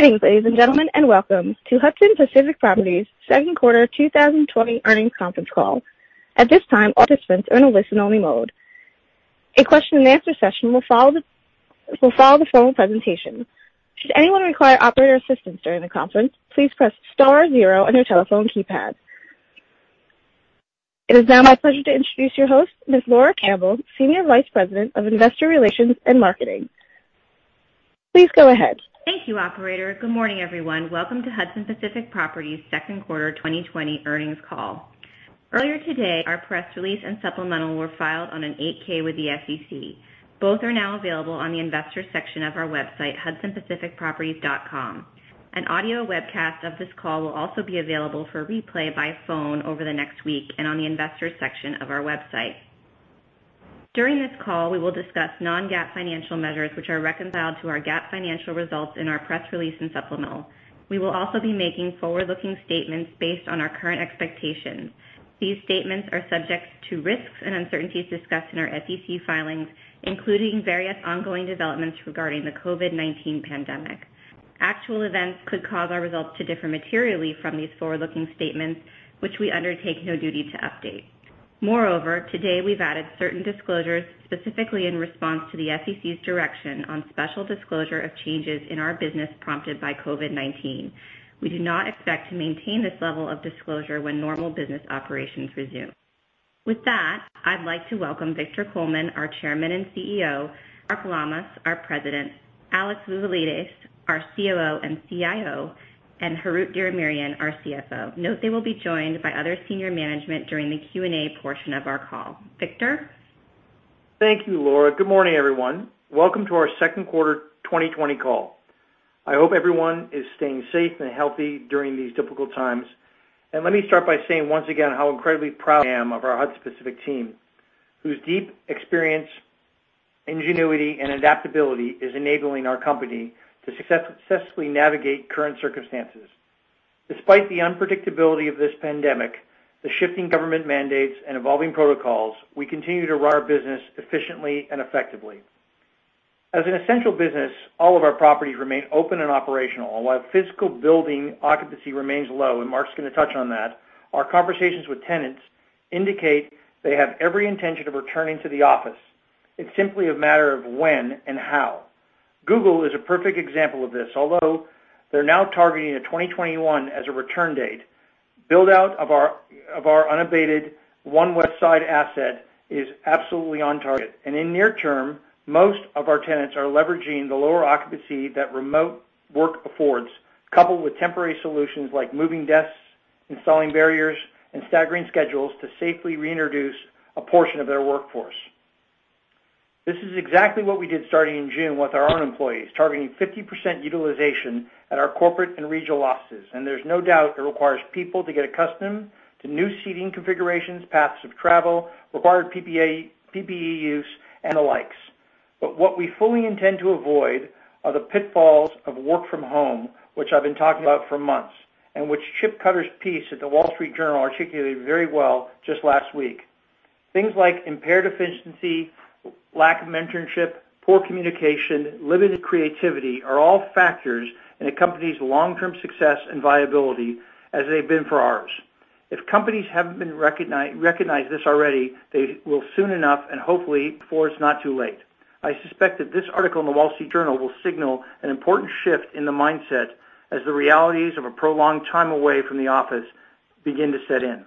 Greetings, ladies and gentlemen, and welcome to Hudson Pacific Properties' second quarter 2020 earnings conference call. At this time, all participants are in a listen-only mode. A question and answer session will follow the formal presentation. Should anyone require operator assistance during the conference, please press star zero on your telephone keypad. It is now my pleasure to introduce your host, Ms. Laura Campbell, Senior Vice President of Investor Relations and Marketing. Please go ahead. Thank you, operator. Good morning, everyone. Welcome to Hudson Pacific Properties' second quarter 2020 earnings call. Earlier today, our press release and supplemental were filed on an 8-K with the SEC. Both are now available on the investor section of our website, hudsonpacificproperties.com. An audio webcast of this call will also be available for replay by phone over the next week, and on the investors section of our website. During this call, we will discuss non-GAAP financial measures which are reconciled to our GAAP financial results in our press release and supplemental. We will also be making forward-looking statements based on our current expectations. These statements are subject to risks and uncertainties discussed in our SEC filings, including various ongoing developments regarding the COVID-19 pandemic. Actual events could cause our results to differ materially from these forward-looking statements, which we undertake no duty to update. Today we've added certain disclosures specifically in response to the SEC's direction on special disclosure of changes in our business prompted by COVID-19. We do not expect to maintain this level of disclosure when normal business operations resume. With that, I'd like to welcome Victor Coleman, our Chairman and CEO, Mark Lammas, our President, Alex Vouvalides, our COO and CIO, and Harout Diramerian, our CFO. Note they will be joined by other senior management during the Q&A portion of our call. Victor? Thank you, Laura. Good morning, everyone. Welcome to our second quarter 2020 call. I hope everyone is staying safe and healthy during these difficult times. Let me start by saying once again how incredibly proud I am of our Hudson Pacific team, whose deep experience, ingenuity, and adaptability is enabling our company to successfully navigate current circumstances. Despite the unpredictability of this pandemic, the shifting government mandates, and evolving protocols, we continue to run our business efficiently and effectively. As an essential business, all of our properties remain open and operational. While physical building occupancy remains low, and Mark's going to touch on that, our conversations with tenants indicate they have every intention of returning to the office. It's simply a matter of when and how. Google is a perfect example of this. Although they're now targeting 2021 as a return date, build-out of our unabated One Westside asset is absolutely on target. In near term, most of our tenants are leveraging the lower occupancy that remote work affords, coupled with temporary solutions like moving desks, installing barriers, and staggering schedules to safely reintroduce a portion of their workforce. This is exactly what we did starting in June with our own employees, targeting 50% utilization at our corporate and regional offices. There's no doubt it requires people to get accustomed to new seating configurations, paths of travel, required PPE use, and the likes. What we fully intend to avoid are the pitfalls of work from home, which I've been talking about for months, and which Chip Cutter's piece at The Wall Street Journal articulated very well just last week. Things like impaired efficiency, lack of mentorship, poor communication, limited creativity are all factors in a company's long-term success and viability, as they've been for ours. If companies haven't recognized this already, they will soon enough, and hopefully before it's not too late. I suspect that this article in The Wall Street Journal will signal an important shift in the mindset as the realities of a prolonged time away from the office begin to set in.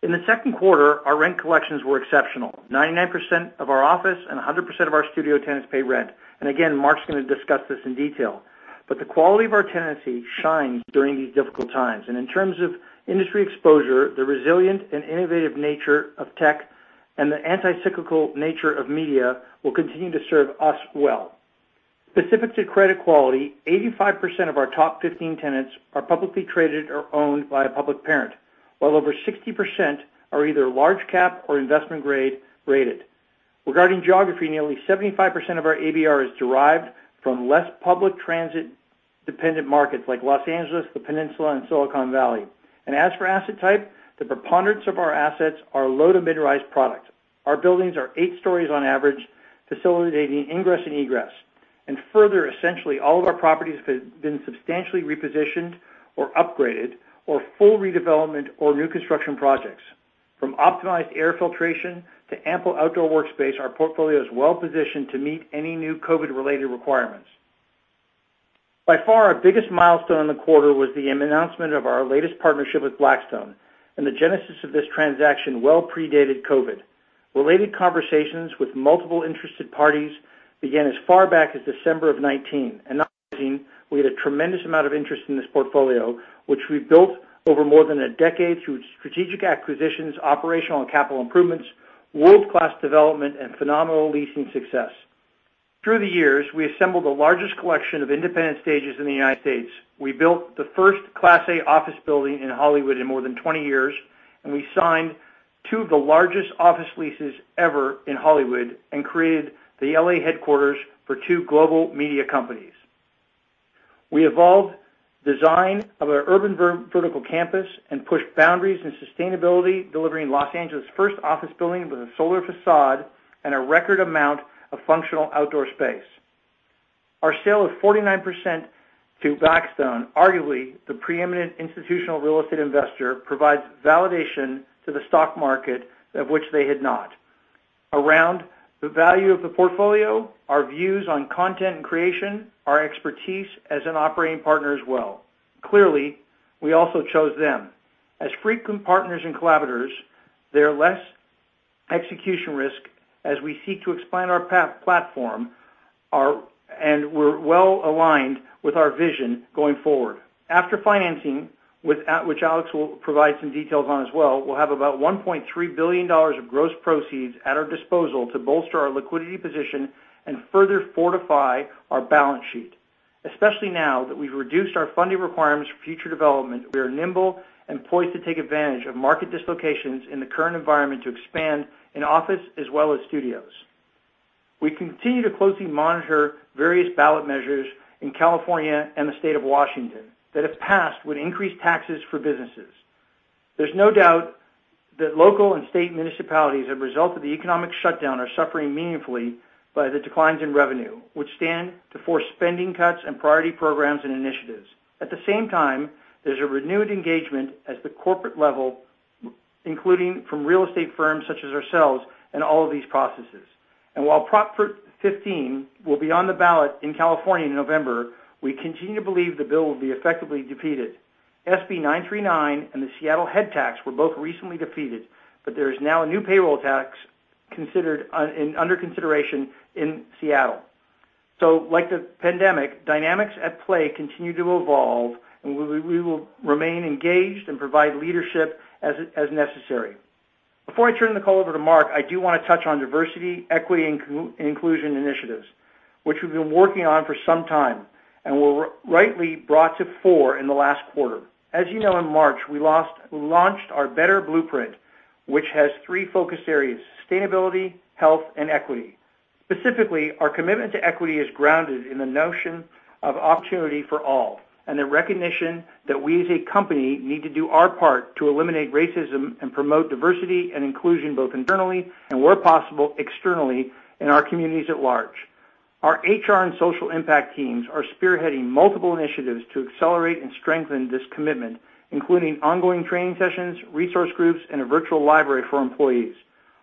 In the second quarter, our rent collections were exceptional. 99% of our office and 100% of our studio tenants paid rent. Again, Mark's going to discuss this in detail. The quality of our tenancy shines during these difficult times. In terms of industry exposure, the resilient and innovative nature of tech and the anti-cyclical nature of media will continue to serve us well. Specific to credit quality, 85% of our top 15 tenants are publicly traded or owned by a public parent, while over 60% are either large cap or investment grade rated. Regarding geography, nearly 75% of our ABR is derived from less public transit-dependent markets like Los Angeles, the Peninsula, and Silicon Valley. As for asset type, the preponderance of our assets are low to mid-rise product. Our buildings are eight stories on average, facilitating ingress and egress. Further, essentially all of our properties have been substantially repositioned or upgraded or full redevelopment or new construction projects. From optimized air filtration to ample outdoor workspace, our portfolio is well positioned to meet any new COVID-related requirements. By far, our biggest milestone in the quarter was the announcement of our latest partnership with Blackstone, and the genesis of this transaction well predated COVID. Related conversations with multiple interested parties began as far back as December of 2019. We had a tremendous amount of interest in this portfolio, which we've built over more than one decade through strategic acquisitions, operational and capital improvements, world-class development, and phenomenal leasing success. Through the years, we assembled the largest collection of independent stages in the United States. We built the first Class A office building in Hollywood in more than 20 years, and we signed two of the largest office leases ever in Hollywood and created the L.A. headquarters for two global media companies. We evolved design of our urban vertical campus and pushed boundaries in sustainability, delivering Los Angeles' first office building with a solar facade and a record amount of functional outdoor space. Our sale of 49% to Blackstone, arguably the pre-eminent institutional real estate investor, provides validation to the stock market, of which they had not. Around the value of the portfolio, our views on content and creation, our expertise as an operating partner as well. Clearly, we also chose them. As frequent partners and collaborators, they are less execution risk as we seek to expand our platform, and we're well aligned with our vision going forward. After financing, which Alex will provide some details on as well, we'll have about $1.3 billion of gross proceeds at our disposal to bolster our liquidity position and further fortify our balance sheet, especially now that we've reduced our funding requirements for future development. We are nimble and poised to take advantage of market dislocations in the current environment to expand in office as well as studios. We continue to closely monitor various ballot measures in California and the state of Washington that, if passed, would increase taxes for businesses. There's no doubt that local and state municipalities, as a result of the economic shutdown, are suffering meaningfully by the declines in revenue, which stand to force spending cuts and priority programs and initiatives. At the same time, there's a renewed engagement at the corporate level, including from real estate firms such as ourselves, in all of these processes. While Proposition 15 will be on the ballot in California in November, we continue to believe the bill will be effectively defeated. SB 939 and the Seattle Head Tax were both recently defeated, but there is now a new payroll tax under consideration in Seattle. Like the pandemic, dynamics at play continue to evolve, and we will remain engaged and provide leadership as necessary. Before I turn the call over to Mark, I do want to touch on diversity, equity, and inclusion initiatives, which we've been working on for some time and were rightly brought to fore in the last quarter. As you know, in March, we launched our Better Blueprint, which has three focus areas: sustainability, health, and equity. Specifically, our commitment to equity is grounded in the notion of opportunity for all and the recognition that we as a company need to do our part to eliminate racism and promote diversity and inclusion, both internally and, where possible, externally in our communities at large. Our HR and social impact teams are spearheading multiple initiatives to accelerate and strengthen this commitment, including ongoing training sessions, resource groups, and a virtual library for employees.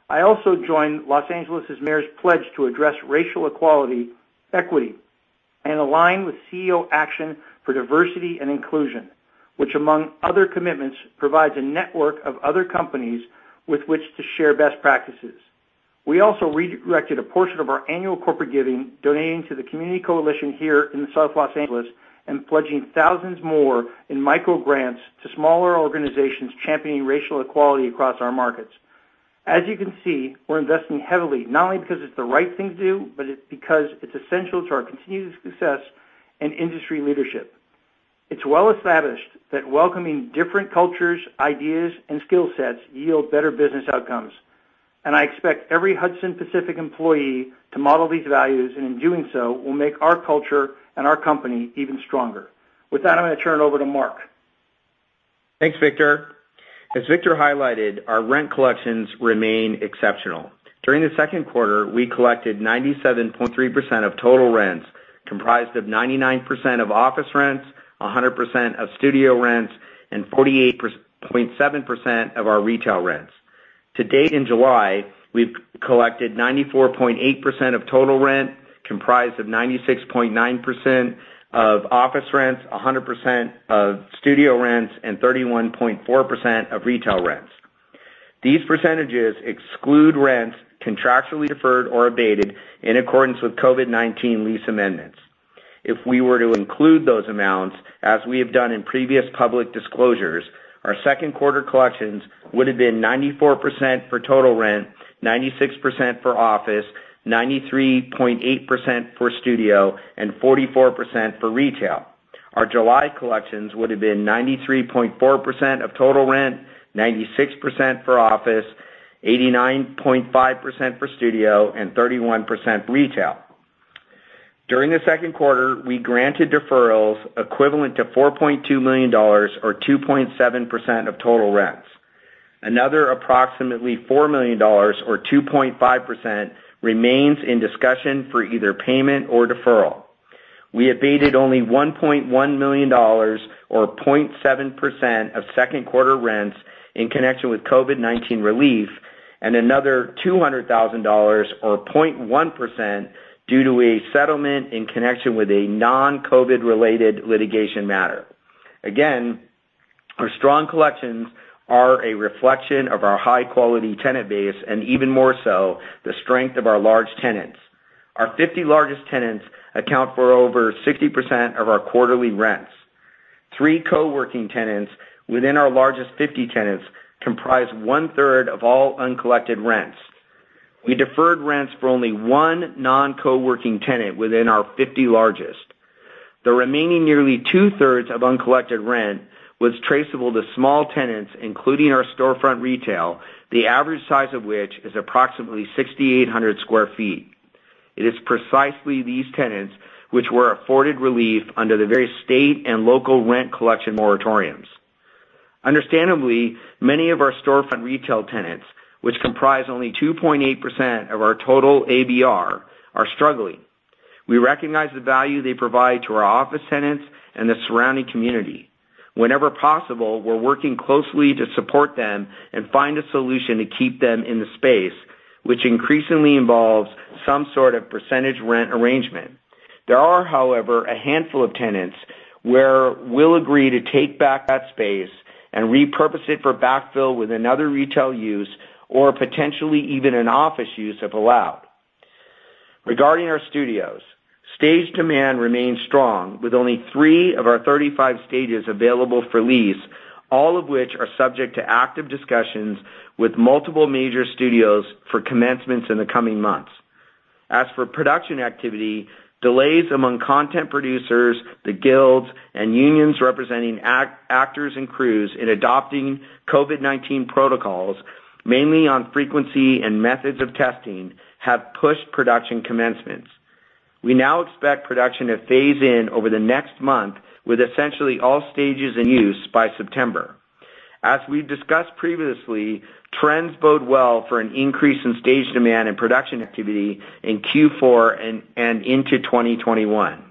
I also joined L.A.'s Mayor's pledge to address racial equality, equity, and align with CEO Action for Diversity & Inclusion, which, among other commitments, provides a network of other companies with which to share best practices. We also redirected a portion of our annual corporate giving, donating to the Community Coalition here in South L.A. and pledging thousands more in micro grants to smaller organizations championing racial equality across our markets. As you can see, we're investing heavily, not only because it's the right thing to do, but because it's essential to our continued success and industry leadership. It's well established that welcoming different cultures, ideas, and skill sets yield better business outcomes. I expect every Hudson Pacific employee to model these values, and in doing so, will make our culture and our company even stronger. With that, I'm going to turn it over to Mark. Thanks, Victor. As Victor highlighted, our rent collections remain exceptional. During the second quarter, we collected 97.3% of total rents, comprised of 99% of office rents, 100% of studio rents, and 48.7% of our retail rents. To date, in July, we've collected 94.8% of total rent, comprised of 96.9% of office rents, 100% of studio rents, and 31.4% of retail rents. These percentages exclude rents contractually deferred or abated in accordance with COVID-19 lease amendments. If we were to include those amounts, as we have done in previous public disclosures, our second quarter collections would have been 94% for total rent, 96% for office, 93.8% for studio, and 44% for retail. Our July collections would have been 93.4% of total rent, 96% for office, 89.5% for studio, and 31% retail. During the second quarter, we granted deferrals equivalent to $4.2 million, or 2.7%, of total rents. Approximately $4 million, or 2.5%, remains in discussion for either payment or deferral. We abated only $1.1 million, or 0.7%, of second quarter rents in connection with COVID-19 relief and another $200,000, or 0.1%, due to a settlement in connection with a non-COVID related litigation matter. Our strong collections are a reflection of our high quality tenant base, and even more so, the strength of our large tenants. Our 50 largest tenants account for over 60% of our quarterly rents. Three co-working tenants within our largest 50 tenants comprise one-third of all uncollected rents. We deferred rents for only one non-co-working tenant within our 50 largest. The remaining nearly two-thirds of uncollected rent was traceable to small tenants, including our storefront retail, the average size of which is approximately 6,800 sq ft. It is precisely these tenants which were afforded relief under the various state and local rent collection moratoriums. Understandably, many of our storefront retail tenants, which comprise only 2.8% of our total ABR, are struggling. We recognize the value they provide to our office tenants and the surrounding community. Whenever possible, we're working closely to support them and find a solution to keep them in the space, which increasingly involves some sort of percentage rent arrangement. There are, however, a handful of tenants where we'll agree to take back that space and repurpose it for backfill with another retail use or potentially even an office use if allowed. Regarding our studios, stage demand remains strong, with only three of our 35 stages available for lease, all of which are subject to active discussions with multiple major studios for commencements in the coming months. As for production activity, delays among content producers, the guilds, and unions representing actors and crews in adopting COVID-19 protocols, mainly on frequency and methods of testing, have pushed production commencements. We now expect production to phase in over the next month, with essentially all stages in use by September. As we've discussed previously, trends bode well for an increase in stage demand and production activity in Q4 and into 2021.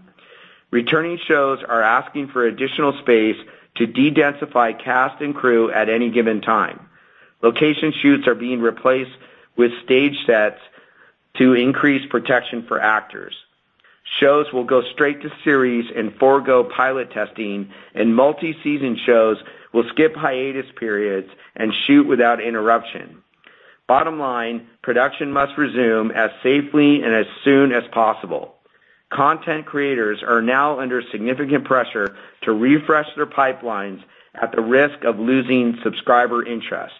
Returning shows are asking for additional space to de-densify cast and crew at any given time. Location shoots are being replaced with stage sets to increase protection for actors. Shows will go straight to series and forego pilot testing, and multi-season shows will skip hiatus periods and shoot without interruption. Bottom line, production must resume as safely and as soon as possible. Content creators are now under significant pressure to refresh their pipelines at the risk of losing subscriber interest.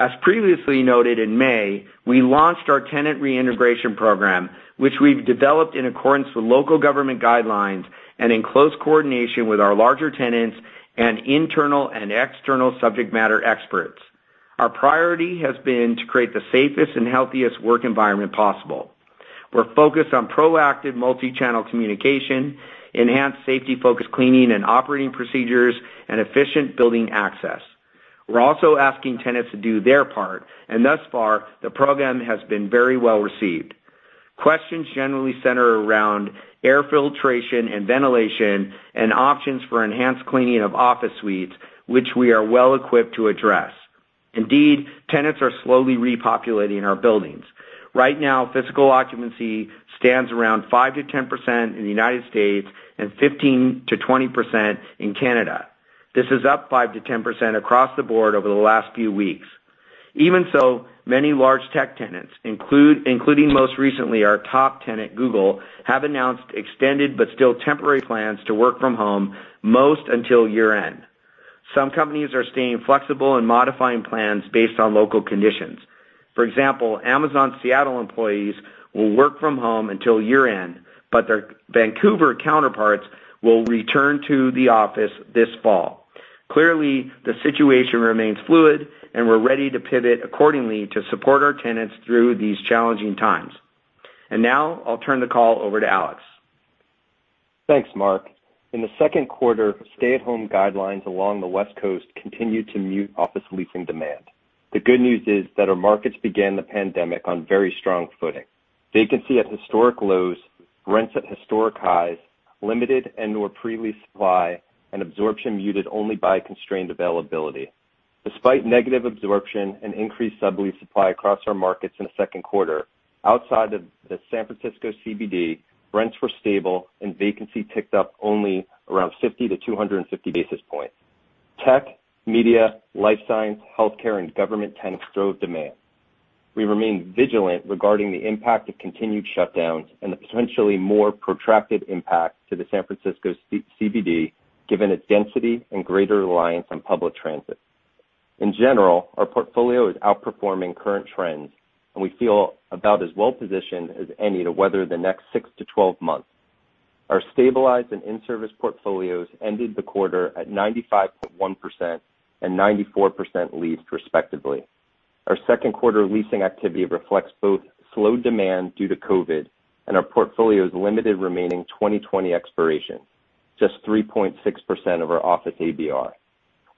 As previously noted in May, we launched our Tenant Reintegration Program, which we've developed in accordance with local government guidelines and in close coordination with our larger tenants and internal and external subject matter experts. Our priority has been to create the safest and healthiest work environment possible. We're focused on proactive multi-channel communication, enhanced safety-focused cleaning and operating procedures, and efficient building access. Thus far, the program has been very well received. Questions generally center around air filtration and ventilation and options for enhanced cleaning of office suites, which we are well equipped to address. Indeed, tenants are slowly repopulating our buildings. Right now, physical occupancy stands around 5%-10% in the U.S. and 15%-20% in Canada. This is up 5%-10% across the board over the last few weeks. Many large tech tenants, including most recently our top tenant, Google, have announced extended but still temporary plans to work from home, most until year-end. Some companies are staying flexible and modifying plans based on local conditions. For example, Amazon Seattle employees will work from home until year-end, but their Vancouver counterparts will return to the office this fall. Clearly, the situation remains fluid, and we're ready to pivot accordingly to support our tenants through these challenging times. Now I'll turn the call over to Alex. Thanks, Mark. In the second quarter, stay-at-home guidelines along the West Coast continued to mute office leasing demand. The good news is that our markets began the pandemic on very strong footing. Vacancy at historic lows, rents at historic highs, limited and/or pre-lease supply, and absorption muted only by constrained availability. Despite negative absorption and increased sublease supply across our markets in the second quarter, outside of the San Francisco CBD, rents were stable and vacancy ticked up only around 50 to 250 basis points. Tech, media, life science, healthcare, and government tenants drove demand. We remain vigilant regarding the impact of continued shutdowns and the potentially more protracted impact to the San Francisco CBD, given its density and greater reliance on public transit. In general, our portfolio is outperforming current trends, and we feel about as well positioned as any to weather the next six to 12 months. Our stabilized and in-service portfolios ended the quarter at 95.1% and 94% leased, respectively. Our second quarter leasing activity reflects both slowed demand due to COVID-19 and our portfolio's limited remaining 2020 expiration, just 3.6% of our office ABR.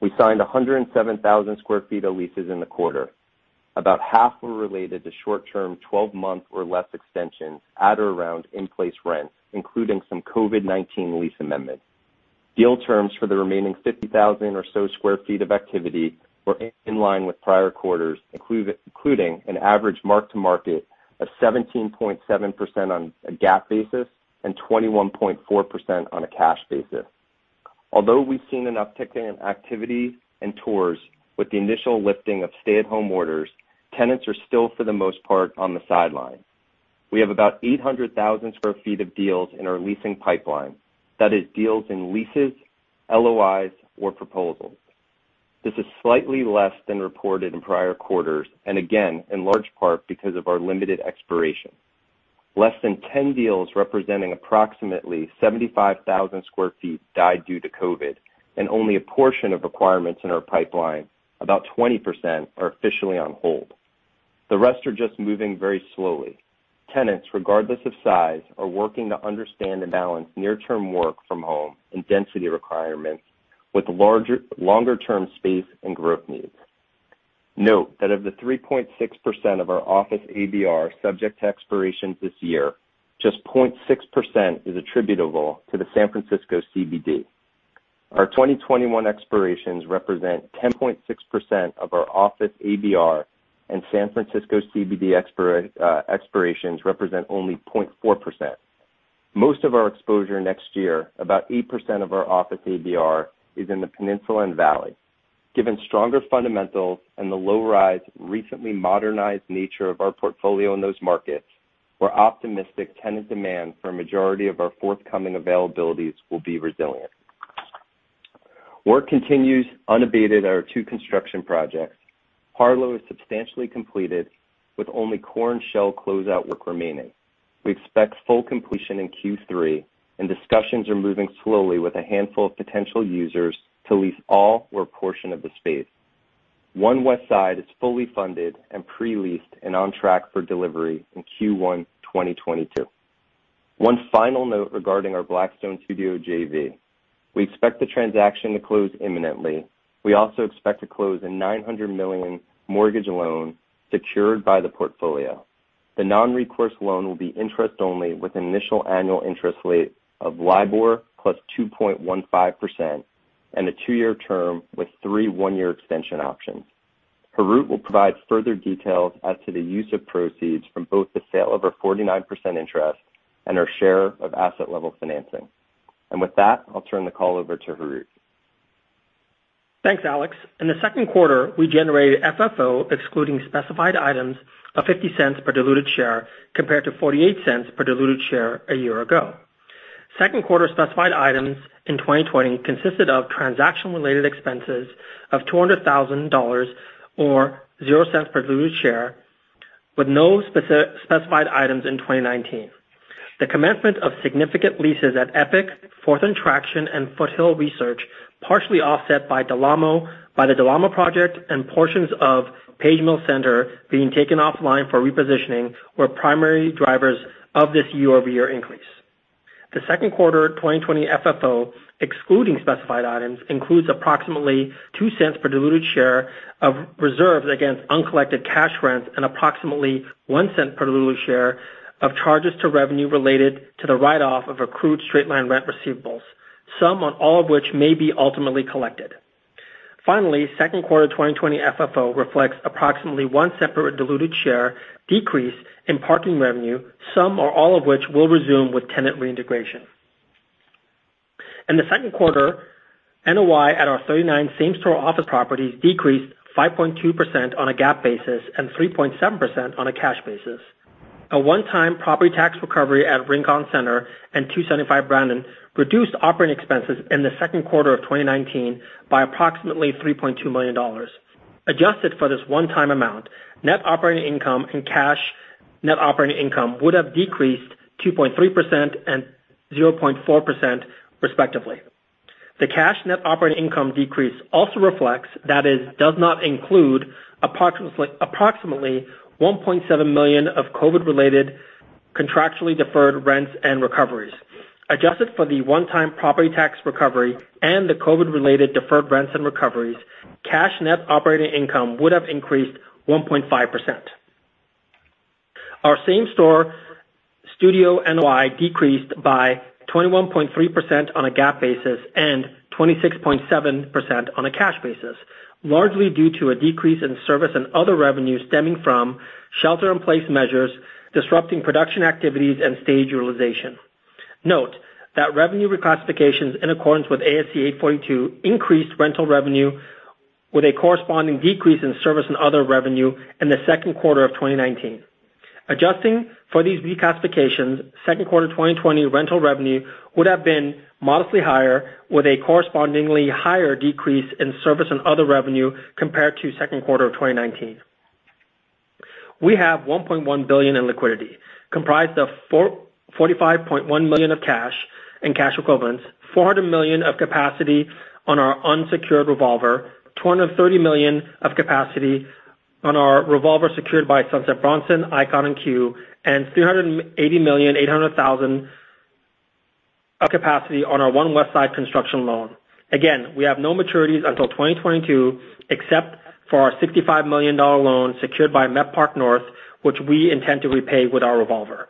We signed 107,000 sq ft of leases in the quarter. About half were related to short-term, 12-month or less extensions at or around in-place rents, including some COVID-19 lease amendments. Deal terms for the remaining 50,000 or so square feet of activity were in line with prior quarters, including an average mark-to-market of 17.7% on a GAAP basis and 21.4% on a cash basis. Although we've seen an uptick in activity and tours with the initial lifting of stay-at-home orders, tenants are still, for the most part, on the sideline. We have about 800,000 sq ft of deals in our leasing pipeline. That is deals in leases, LOIs or proposals. This is slightly less than reported in prior quarters. Again, in large part because of our limited expiration. Less than 10 deals representing approximately 75,000 sq ft died due to COVID-19. Only a portion of requirements in our pipeline, about 20%, are officially on hold. The rest are just moving very slowly. Tenants, regardless of size, are working to understand and balance near-term work from home and density requirements with longer-term space and growth needs. Note that of the 3.6% of our office ABR subject to expirations this year, just 0.6% is attributable to the San Francisco CBD. Our 2021 expirations represent 10.6% of our office ABR. San Francisco CBD expirations represent only 0.4%. Most of our exposure next year, about 8% of our office ABR, is in the Peninsula and Valley. Given stronger fundamentals and the low rise, recently modernized nature of our portfolio in those markets, we're optimistic tenant demand for a majority of our forthcoming availabilities will be resilient. Work continues unabated at our two construction projects. Harlow is substantially completed, with only core and shell closeout work remaining. We expect full completion in Q3, and discussions are moving slowly with a handful of potential users to lease all or a portion of the space. One Westside is fully funded and pre-leased and on track for delivery in Q1 2022. One final note regarding our Blackstone Studio JV. We expect the transaction to close imminently. We also expect to close a $900 million mortgage loan secured by the portfolio. The non-recourse loan will be interest only with an initial annual interest rate of LIBOR +2.15% and a two-year term with three one-year extension options. Harut will provide further details as to the use of proceeds from both the sale of our 49% interest and our share of asset level financing. With that, I'll turn the call over to Harout. Thanks, Alex. In the second quarter, we generated FFO excluding specified items of $0.50 per diluted share compared to $0.48 per diluted share a year ago. Second quarter specified items in 2020 consisted of transaction-related expenses of $200,000 or $0.00 per diluted share, with no specified items in 2019. The commencement of significant leases at Epic, Fourth and Traction, and Foothill Research, partially offset by the Del Amo project and portions of Page Mill Center being taken offline for repositioning, were primary drivers of this year-over-year increase. The second quarter 2020 FFO, excluding specified items, includes approximately $0.02 per diluted share of reserves against uncollected cash rents and approximately $0.01 per diluted share of charges to revenue related to the write-off of accrued straight-line rent receivables, some or all of which may be ultimately collected. Finally, second quarter 2020 FFO reflects approximately $0.01 per diluted share decrease in parking revenue, some or all of which will resume with tenant reintegration. In the second quarter, NOI at our 39 same-store office properties decreased 5.2% on a GAAP basis and 3.7% on a cash basis. A one-time property tax recovery at Rincon Center and 275 Brannan reduced operating expenses in the second quarter of 2019 by approximately $3.2 million. Adjusted for this one-time amount, net operating income and cash net operating income would have decreased 2.3% and 0.4% respectively. The cash net operating income decrease also reflects, that is, does not include approximately $1.7 million of COVID-related contractually deferred rents and recoveries. Adjusted for the one-time property tax recovery and the COVID-related deferred rents and recoveries, cash net operating income would have increased 1.5%. Our same-store studio NOI decreased by 21.3% on a GAAP basis and 26.7% on a cash basis, largely due to a decrease in service and other revenue stemming from shelter in place measures disrupting production activities and stage utilization. Note that revenue reclassifications in accordance with ASC 842 increased rental revenue with a corresponding decrease in service and other revenue in the second quarter of 2019. Adjusting for these reclassifications, second quarter 2020 rental revenue would have been modestly higher with a correspondingly higher decrease in service and other revenue compared to second quarter of 2019. We have $1.1 billion in liquidity, comprised of $45.1 million of cash and cash equivalents, $400 million of capacity on our unsecured revolver, $230 million of capacity on our revolver secured by Sunset Bronson, Icon, and CUE, and $380,800,000 of capacity on our One Westside construction loan. We have no maturities until 2022, except for our $65 million loan secured by Met Park North, which we intend to repay with our revolver.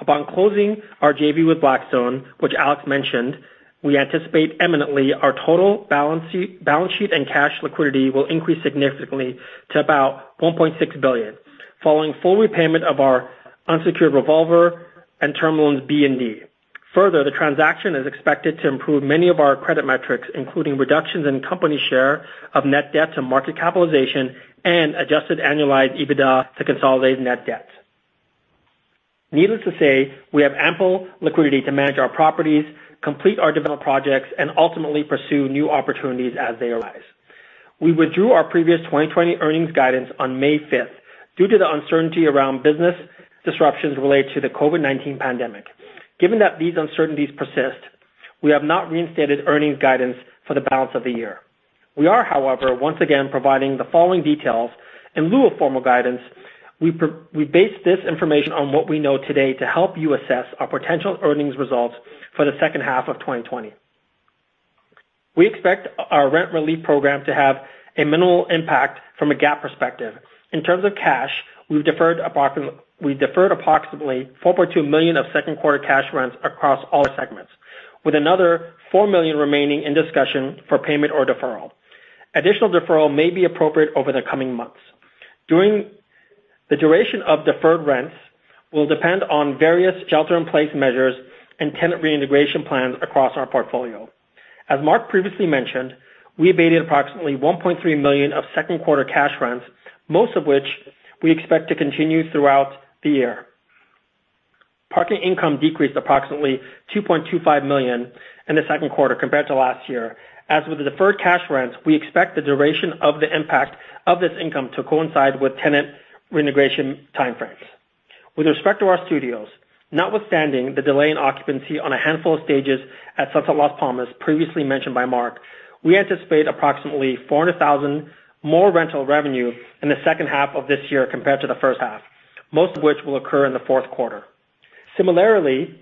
Upon closing our JV with Blackstone, which Alex mentioned, we anticipate eminently our total balance sheet and cash liquidity will increase significantly to about $1.6 billion, following full repayment of our unsecured revolver and term loans B and D. The transaction is expected to improve many of our credit metrics, including reductions in company share of net debt to market capitalization and adjusted annualized EBITDA to consolidate net debt. Needless to say, we have ample liquidity to manage our properties, complete our development projects, and ultimately pursue new opportunities as they arise. We withdrew our previous 2020 earnings guidance on May 5th due to the uncertainty around business disruptions related to the COVID-19 pandemic. Given that these uncertainties persist, we have not reinstated earnings guidance for the balance of the year. We are, however, once again providing the following details in lieu of formal guidance. We base this information on what we know today to help you assess our potential earnings results for the second half of 2020. We expect our rent relief program to have a minimal impact from a GAAP perspective. In terms of cash, we've deferred approximately $4.2 million of second quarter cash rents across all segments, with another $4 million remaining in discussion for payment or deferral. Additional deferral may be appropriate over the coming months. The duration of deferred rents will depend on various shelter-in-place measures and tenant reintegration plans across our portfolio. As Mark previously mentioned, we abated approximately $1.3 million of second quarter cash rents, most of which we expect to continue throughout the year. Parking income decreased approximately $2.25 million in the second quarter compared to last year. As with the deferred cash rents, we expect the duration of the impact of this income to coincide with tenant reintegration time frames. With respect to our studios, notwithstanding the delay in occupancy on a handful of stages at Sunset Las Palmas, previously mentioned by Mark, we anticipate approximately $400,000 more rental revenue in the second half of this year compared to the first half, most of which will occur in the fourth quarter. Similarly,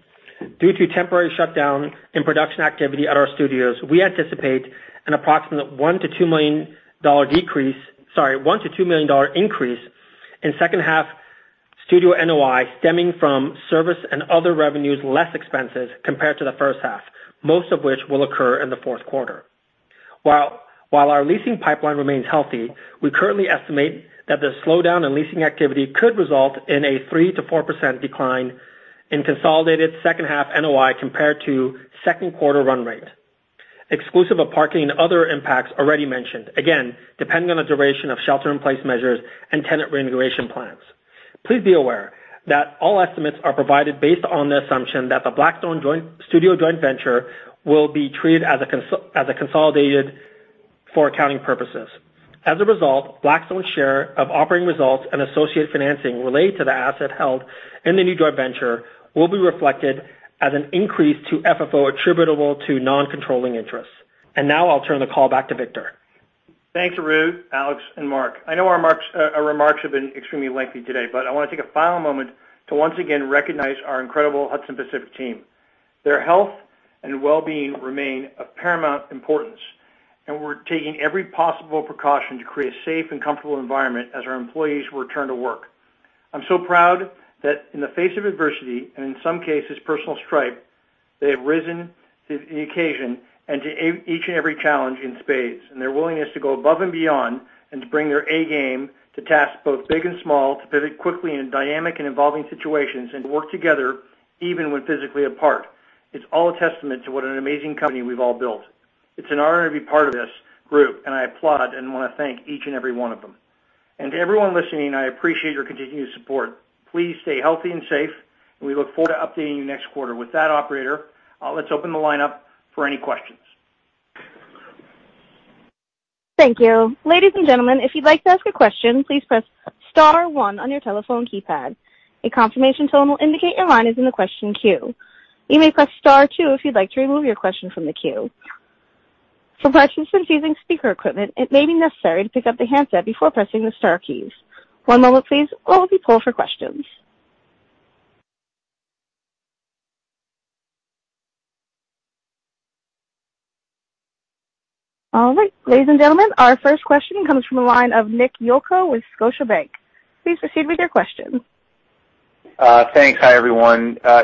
due to temporary shutdown in production activity at our studios, we anticipate an approximate $1 million-$2 million increase in second half studio NOI stemming from service and other revenues less expenses compared to the first half, most of which will occur in the fourth quarter. While our leasing pipeline remains healthy, we currently estimate that the slowdown in leasing activity could result in a 3%-4% decline in consolidated second half NOI compared to second quarter run rate, exclusive of parking and other impacts already mentioned, again, depending on the duration of shelter-in-place measures and tenant reintegration plans. Please be aware that all estimates are provided based on the assumption that the Blackstone Studio joint venture will be treated as a consolidated for accounting purposes. As a result, Blackstone's share of operating results and associated financing related to the asset held in the new joint venture will be reflected as an increase to FFO attributable to non-controlling interests. Now I'll turn the call back to Victor. Thanks, Harout, Alex, and Mark. I know our remarks have been extremely lengthy today, but I want to take a final moment to once again recognize our incredible Hudson Pacific team. Their health and well-being remain of paramount importance, and we're taking every possible precaution to create a safe and comfortable environment as our employees return to work. I'm so proud that in the face of adversity, and in some cases personal strife, they have risen to the occasion and to each and every challenge in spades. Their willingness to go above and beyond and to bring their A game to tasks both big and small, to pivot quickly in dynamic and evolving situations and to work together even when physically apart. It's all a testament to what an amazing company we've all built. It's an honor to be part of this group, and I applaud and want to thank each and every one of them. To everyone listening, I appreciate your continued support. Please stay healthy and safe, and we look forward to updating you next quarter. With that, operator, let's open the line up for any questions. Thank you. Ladies and gentlemen, if you'd like to ask a question, please press star 1 on your telephone keypad. A confirmation tone will indicate your line is in the question queue. You may press star 2 if you'd like to remove your question from the queue. For participants using speaker equipment, it may be necessary to pick up the handset before pressing the star keys. One moment please, while we poll for questions. All right. Ladies and gentlemen, our first question comes from the line of Nick Yulico with Scotiabank. Please proceed with your question. Thanks. Hi, everyone. I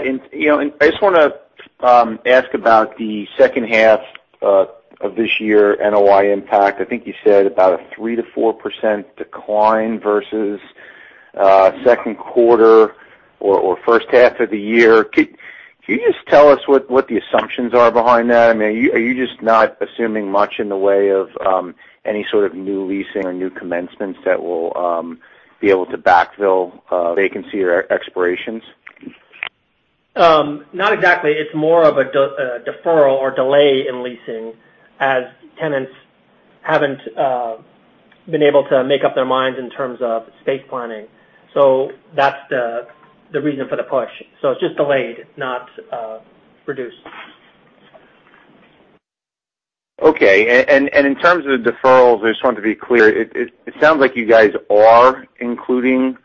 just want to ask about the second half of this year NOI impact. I think you said about a 3%-4% decline versus second quarter or first half of the year. Can you just tell us what the assumptions are behind that? I mean, are you just not assuming much in the way of any sort of new leasing or new commencements that will be able to backfill vacancy or expirations? Not exactly. It's more of a deferral or delay in leasing as tenants haven't been able to make up their minds in terms of space planning. That's the reason for the push. It's just delayed, not reduced. Okay. In terms of the deferrals, I just wanted to be clear, it sounds like you guys are including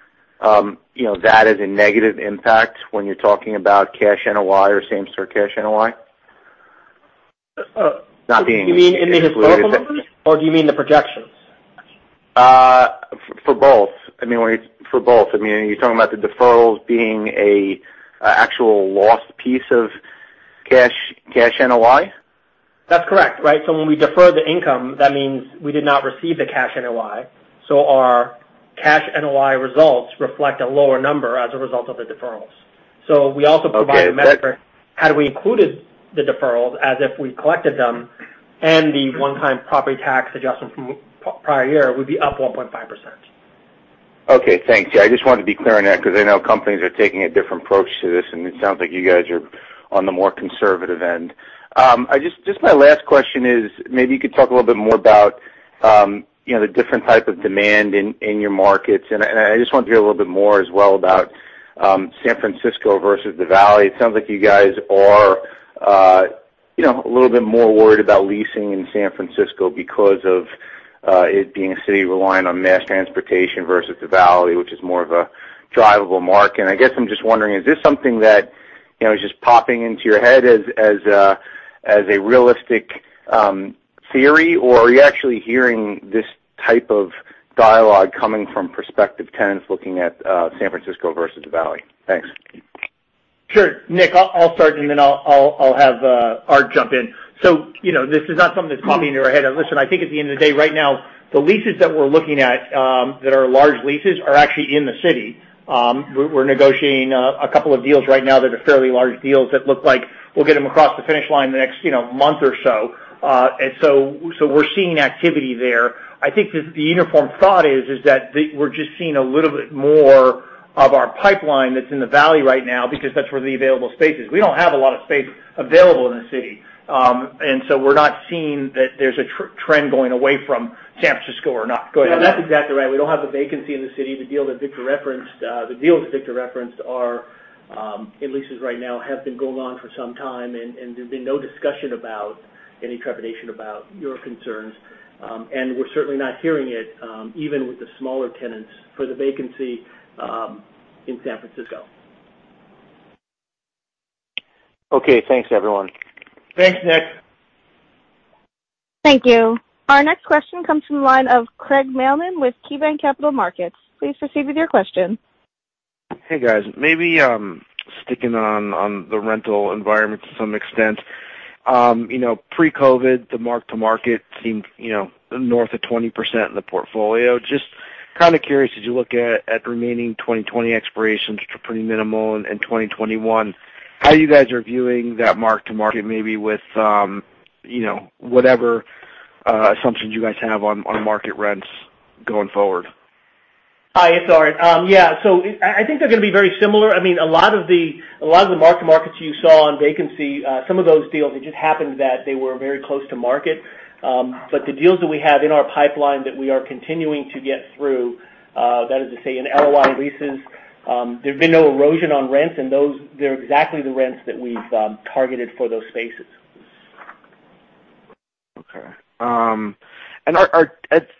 that as a negative impact when you're talking about cash NOI or same-store cash NOI? You mean in the historical numbers, or do you mean the projections? For both. I mean, are you talking about the deferrals being a actual lost piece of cash NOI? That's correct. Right. When we defer the income, that means we did not receive the cash NOI. Our cash NOI results reflect a lower number as a result of the deferrals. We also provide a measure. Okay. Had we included the deferrals as if we collected them and the one-time property tax adjustment from prior year, we'd be up 1.5%. Okay, thanks. Yeah, I just wanted to be clear on that because I know companies are taking a different approach to this, and it sounds like you guys are on the more conservative end. Just my last question is, maybe you could talk a little bit more about the different type of demand in your markets. I just wanted to hear a little bit more as well about San Francisco versus the Valley. It sounds like you guys are a little bit more worried about leasing in San Francisco because of it being a city relying on mass transportation versus the Valley, which is more of a drivable market. I guess I'm just wondering, is this something that is just popping into your head as a realistic theory, or are you actually hearing this type of dialogue coming from prospective tenants looking at San Francisco versus the Valley? Thanks. Sure. Nick, I'll start, and then I'll have Art jump in. This is not something that's popping into our head. Listen, I think at the end of the day right now, the leases that we're looking at that are large leases are actually in the city. We're negotiating a couple of deals right now that are fairly large deals that look like we'll get them across the finish line in the next month or so. We're seeing activity there. I think the uniform thought is that we're just seeing a little bit more of our pipeline that's in the valley right now because that's where the available space is. We don't have a lot of space available in the city. We're not seeing that there's a trend going away from San Francisco or not going away. That's exactly right. We don't have the vacancy in the city. The deals that Victor referenced are in leases right now, have been going on for some time, and there's been no discussion about any trepidation about your concerns. We're certainly not hearing it, even with the smaller tenants for the vacancy in San Francisco. Okay, thanks everyone. Thanks, Nick. Thank you. Our next question comes from the line of Craig Mailman with KeyBanc Capital Markets. Please proceed with your question. Hey, guys. Maybe sticking on the rental environment to some extent. Pre-COVID-19, the mark-to-market seemed north of 20% in the portfolio. Just kind of curious as you look at remaining 2020 expirations, which are pretty minimal, and 2021, how you guys are viewing that mark-to-market, maybe with whatever assumptions you guys have on market rents going forward. Hi, it's Art. Yeah. I think they're going to be very similar. A lot of the mark-to-markets you saw on vacancy, some of those deals, it just happened that they were very close to market. The deals that we have in our pipeline that we are continuing to get through, that is to say in LOI leases, there's been no erosion on rents and those, they're exactly the rents that we've targeted for those spaces. Okay.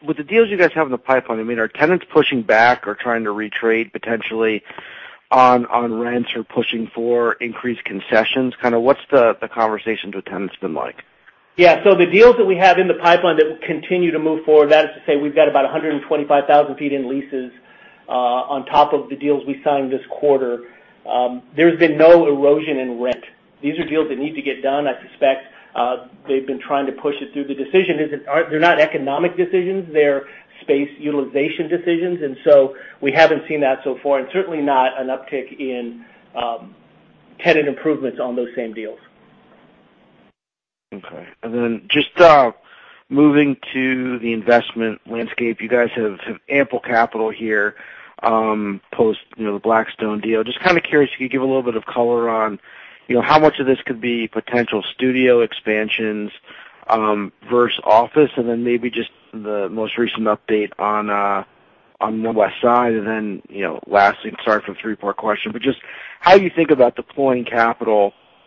With the deals you guys have in the pipeline, are tenants pushing back or trying to retrade potentially on rents or pushing for increased concessions? What's the conversations with tenants been like? Yeah. The deals that we have in the pipeline that will continue to move forward, that is to say we've got about 125,000 ft in leases on top of the deals we signed this quarter. There's been no erosion in rent. These are deals that need to get done. I suspect they've been trying to push it through. The decision, they're not economic decisions, they're space utilization decisions. We haven't seen that so far and certainly not an uptick in tenant improvements on those same deals. Okay. Just moving to the investment landscape. You guys have ample capital here, post the Blackstone deal. Just kind of curious if you could give a little bit of color on how much of this could be potential studio expansions versus office, and then maybe just the most recent update on the Westside. Lastly, sorry for the three-part question, but just how you think about deploying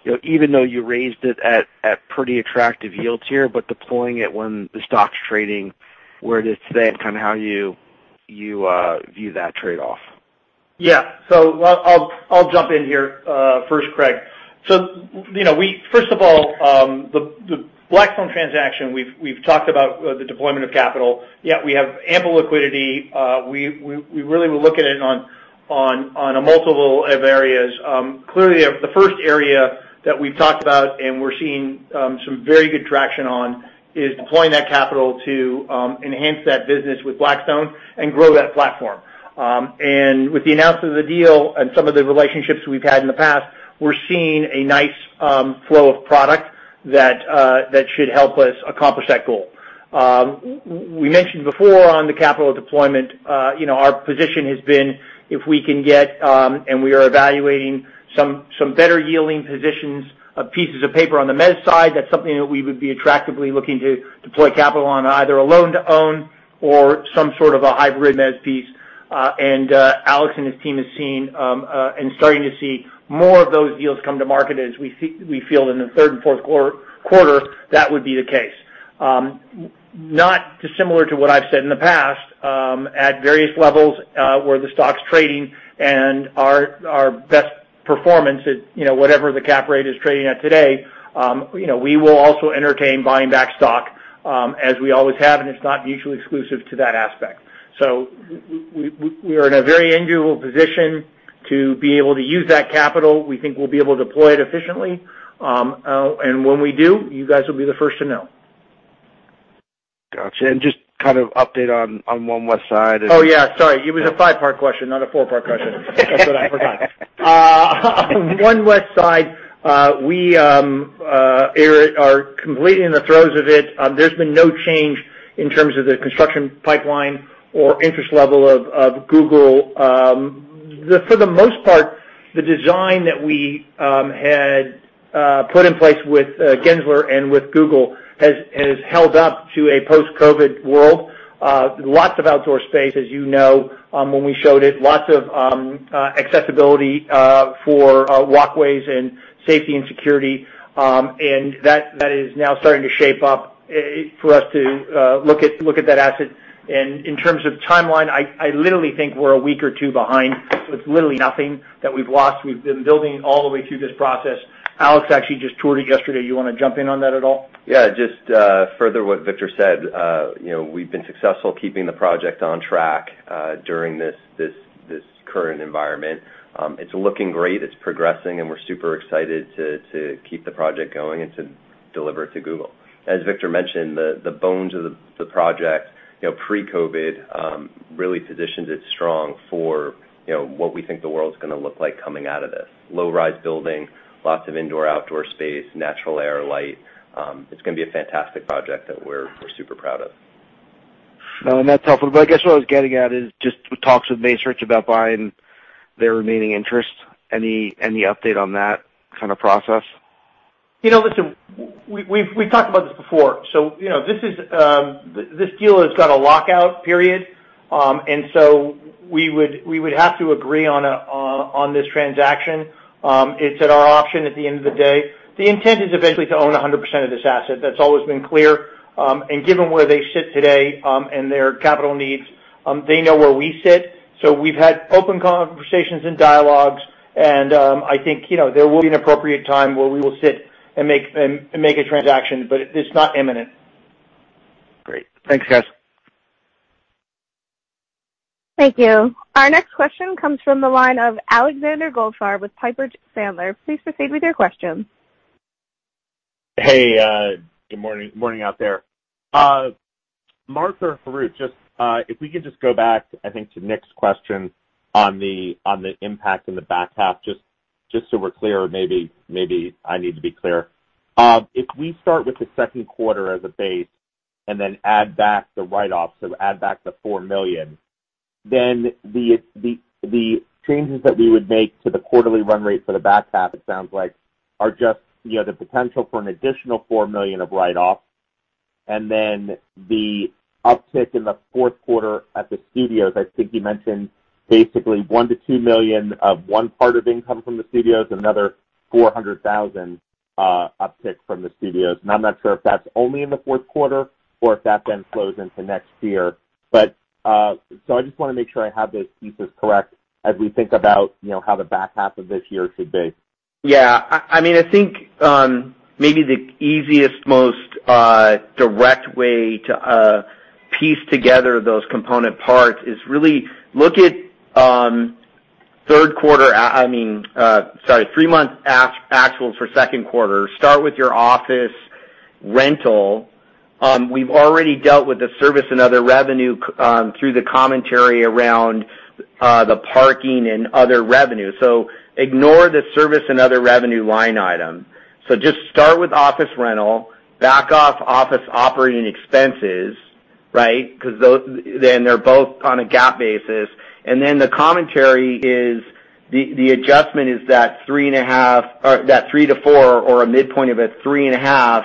capital even though you raised it at pretty attractive yields here, but deploying it when the stock's trading where it is today and kind of how you view that trade-off. I'll jump in here first, Craig. First of all, the Blackstone transaction, we've talked about the deployment of capital, yet we have ample liquidity. We really were looking at it on a multiple of areas. Clearly, the first area that we've talked about and we're seeing some very good traction on is deploying that capital to enhance that business with Blackstone and grow that platform. With the announcement of the deal and some of the relationships we've had in the past, we're seeing a nice flow of product that should help us accomplish that goal. We mentioned before on the capital deployment our position has been if we can get, and we are evaluating some better yielding positions of pieces of paper on the med side. That's something that we would be attractively looking to deploy capital on, either a loan-to-own or some sort of a hybrid med piece. Alex and his team has seen and starting to see more of those deals come to market as we feel in the third and fourth quarter that would be the case. Not dissimilar to what I've said in the past, at various levels where the stock's trading and our best performance at whatever the cap rate is trading at today. We will also entertain buying back stock as we always have, and it's not mutually exclusive to that aspect. We are in a very enviable position to be able to use that capital. We think we'll be able to deploy it efficiently. When we do, you guys will be the first to know. Got you. Just kind of update on One Westside. Yeah, sorry. It was a five-part question, not a four-part question. That's what I forgot. One West Side, we are completely in the throes of it. There's been no change in terms of the construction pipeline or interest level of Google. For the most part, the design that we had put in place with Gensler and with Google has held up to a post-COVID world. Lots of outdoor space, as you know, when we showed it, lots of accessibility for walkways and safety and security. That is now starting to shape up for us to look at that asset. In terms of timeline, I literally think we're a week or two behind. It's literally nothing that we've lost. We've been building all the way through this process. Alex actually just toured it yesterday. You want to jump in on that at all? Yeah, just further what Victor said. We've been successful keeping the project on track during this current environment. It's looking great. It's progressing, and we're super excited to keep the project going and to deliver it to Google. As Victor mentioned, the bones of the project, pre-COVID-19, really positioned it strong for what we think the world's going to look like coming out of this. Low-rise building, lots of indoor-outdoor space, natural air, light. It's going to be a fantastic project that we're super proud of. No, that's helpful. I guess what I was getting at is just with talks with Maguire about buying their remaining interest. Any update on that kind of process? Listen, we've talked about this before. This deal has got a lockout period. We would have to agree on this transaction. It's at our option at the end of the day. The intent is eventually to own 100% of this asset. That's always been clear. Given where they sit today, and their capital needs, they know where we sit. We've had open conversations and dialogues, and I think there will be an appropriate time where we will sit and make a transaction, but it's not imminent. Great. Thanks, guys. Thank you. Our next question comes from the line of Alexander Goldfarb with Piper Sandler. Please proceed with your question. Hey, good morning out there. Mark or Harout, if we could just go back to Nick's question on the impact in the back half, just so we're clear or maybe I need to be clear. If we start with the second quarter as a base and add back the write-offs, add back the $4 million, the changes that we would make to the quarterly run rate for the back half, it sounds like, are just the potential for an additional $4 million of write-offs. The uptick in the fourth quarter at the studios, you mentioned basically $1 million-$2 million of one part of income from the studios, another $400,000 uptick from the studios. I'm not sure if that's only in the fourth quarter or if that flows into next year. I just want to make sure I have those pieces correct as we think about how the back half of this year should be. Yeah. I think maybe the easiest, most direct way to piece together those component parts is really look at three-month actuals for second quarter. Start with your office rental. We've already dealt with the service and other revenue through the commentary around the parking and other revenue. Ignore the service and other revenue line item. Just start with office rental, back off office operating expenses, right? Then they're both on a GAAP basis. The commentary is the adjustment is that three and a half or that three to four or a midpoint of a three and a half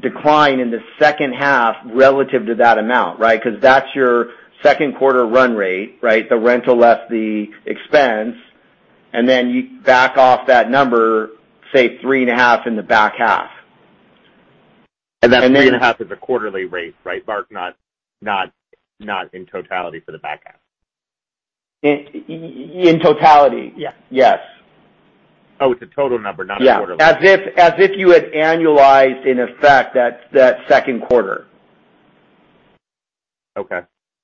decline in the second half relative to that amount, right? That's your second quarter run rate, right? The rental less the expense, you back off that number, say three and a half in the back half. That three and a half is a quarterly rate, right, Mark? Not in totality for the back half. In totality. Yeah. Yes. Oh, it's a total number, not a quarterly. Yeah. As if you had annualized in effect that second quarter. Okay.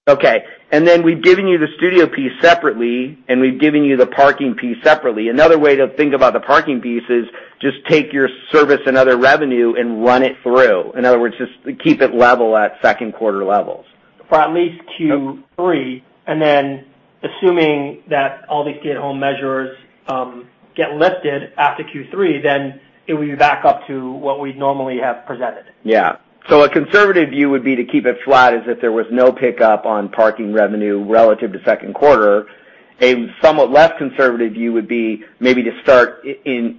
Okay. We've given you the studio piece separately, and we've given you the parking piece separately. Another way to think about the parking piece is just take your service and other revenue and run it through. In other words, just keep it level at second quarter levels. For at least Q3, and then assuming that all these stay-at-home measures get lifted after Q3, then it will be back up to what we'd normally have presented. Yeah. A conservative view would be to keep it flat as if there was no pickup on parking revenue relative to second quarter. A somewhat less conservative view would be maybe to start in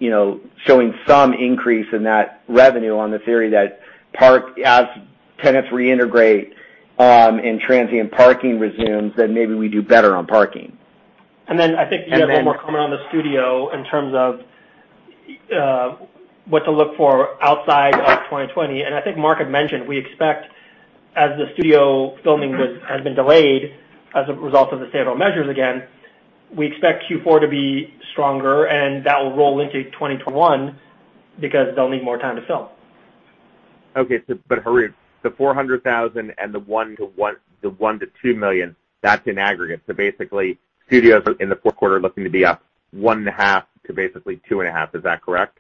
showing some increase in that revenue on the theory that as tenants reintegrate and transient parking resumes, then maybe we do better on parking. I think you have one more comment on the studio in terms of what to look for outside of 2020. I think Mark had mentioned, we expect as the studio filming has been delayed as a result of the stay-at-home measures again, we expect Q4 to be stronger, and that will roll into 2021 because they'll need more time to film. Okay. Harout, the $400,000 and the $1 million to $2 million, that's in aggregate. Basically, studios in the fourth quarter looking to be up 1.5% to basically 2.5%. Is that correct?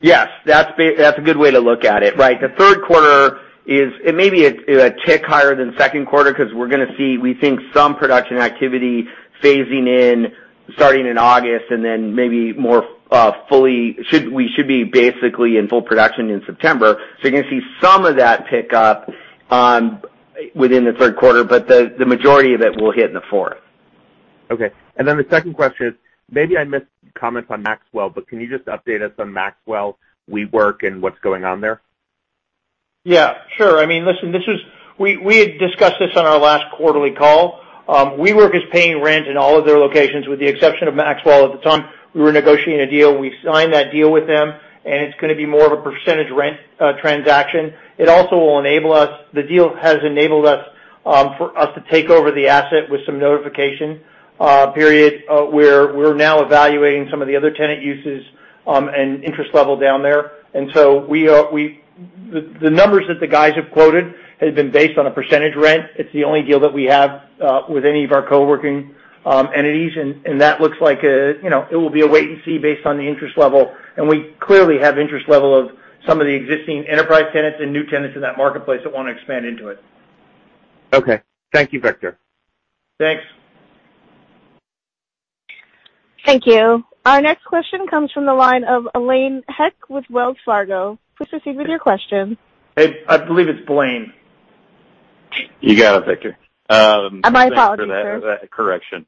Yes, that's a good way to look at it. Right. The third quarter is maybe a tick higher than second quarter because we're going to see, we think some production activity phasing in starting in August and then maybe more fully, we should be basically in full production in September. You're going to see some of that pick up within the third quarter, but the majority of it will hit in the fourth. Okay. The second question is, maybe I missed comments on Maxwell, but can you just update us on Maxwell WeWork and what's going on there? Yeah, sure. I mean, listen, we had discussed this on our last quarterly call. WeWork is paying rent in all of their locations with the exception of Maxwell. At the time, we were negotiating a deal. We signed that deal with them, and it's going to be more of a percentage rent transaction. The deal has enabled us for us to take over the asset with some notification period, where we're now evaluating some of the other tenant uses, and interest level down there. The numbers that the guys have quoted have been based on a percentage rent. It's the only deal that we have with any of our co-working entities. That looks like it will be a wait-and-see based on the interest level. We clearly have interest level of some of the existing enterprise tenants and new tenants in that marketplace that want to expand into it. Okay. Thank you, Victor. Thanks. Thank you. Our next question comes from the line of Blaine Heck with Wells Fargo. Please proceed with your question. Hey, I believe it's Blaine. You got it, Victor. My apologies, sir. Thanks for that correction.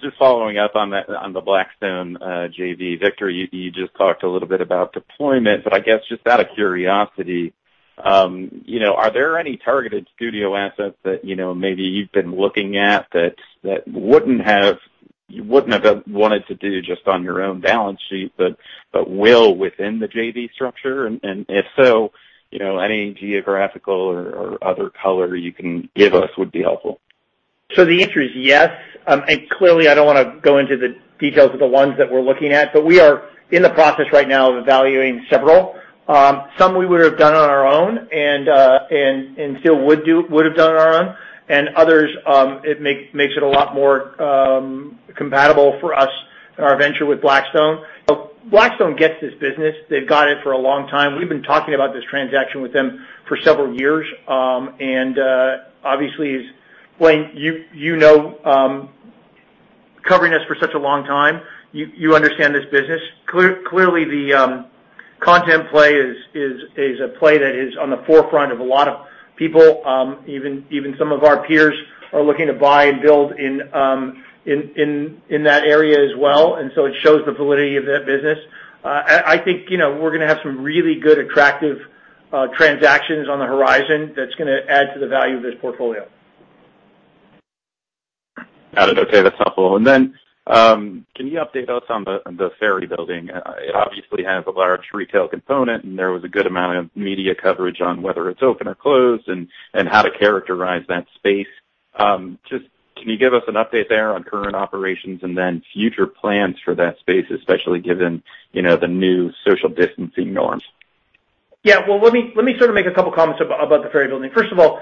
Just following up on the Blackstone JV. Victor, you just talked a little bit about deployment, but I guess just out of curiosity, are there any targeted studio assets that maybe you've been looking at that you wouldn't have wanted to do just on your own balance sheet, but will within the JV structure? If so, any geographical or other color you can give us would be helpful. The answer is yes. Clearly, I don't want to go into the details of the ones that we're looking at, but we are in the process right now of evaluating several. Some we would have done on our own and still would have done on our own, and others it makes it a lot more compatible for us in our venture with Blackstone. Blackstone gets this business. They've got it for a long time. We've been talking about this transaction with them for several years. Obviously, Blaine, you know covering us for such a long time, you understand this business. Clearly the content play is a play that is on the forefront of a lot of people. Even some of our peers are looking to buy and build in that area as well. It shows the validity of that business. I think we're going to have some really good, attractive transactions on the horizon that's going to add to the value of this portfolio. Got it. Okay, that's helpful. Can you update us on the Ferry Building? It obviously has a large retail component, and there was a good amount of media coverage on whether it's open or closed and how to characterize that space. Just can you give us an update there on current operations and then future plans for that space, especially given the new social distancing norms? Well, let me sort of make a couple comments about the Ferry Building. First of all,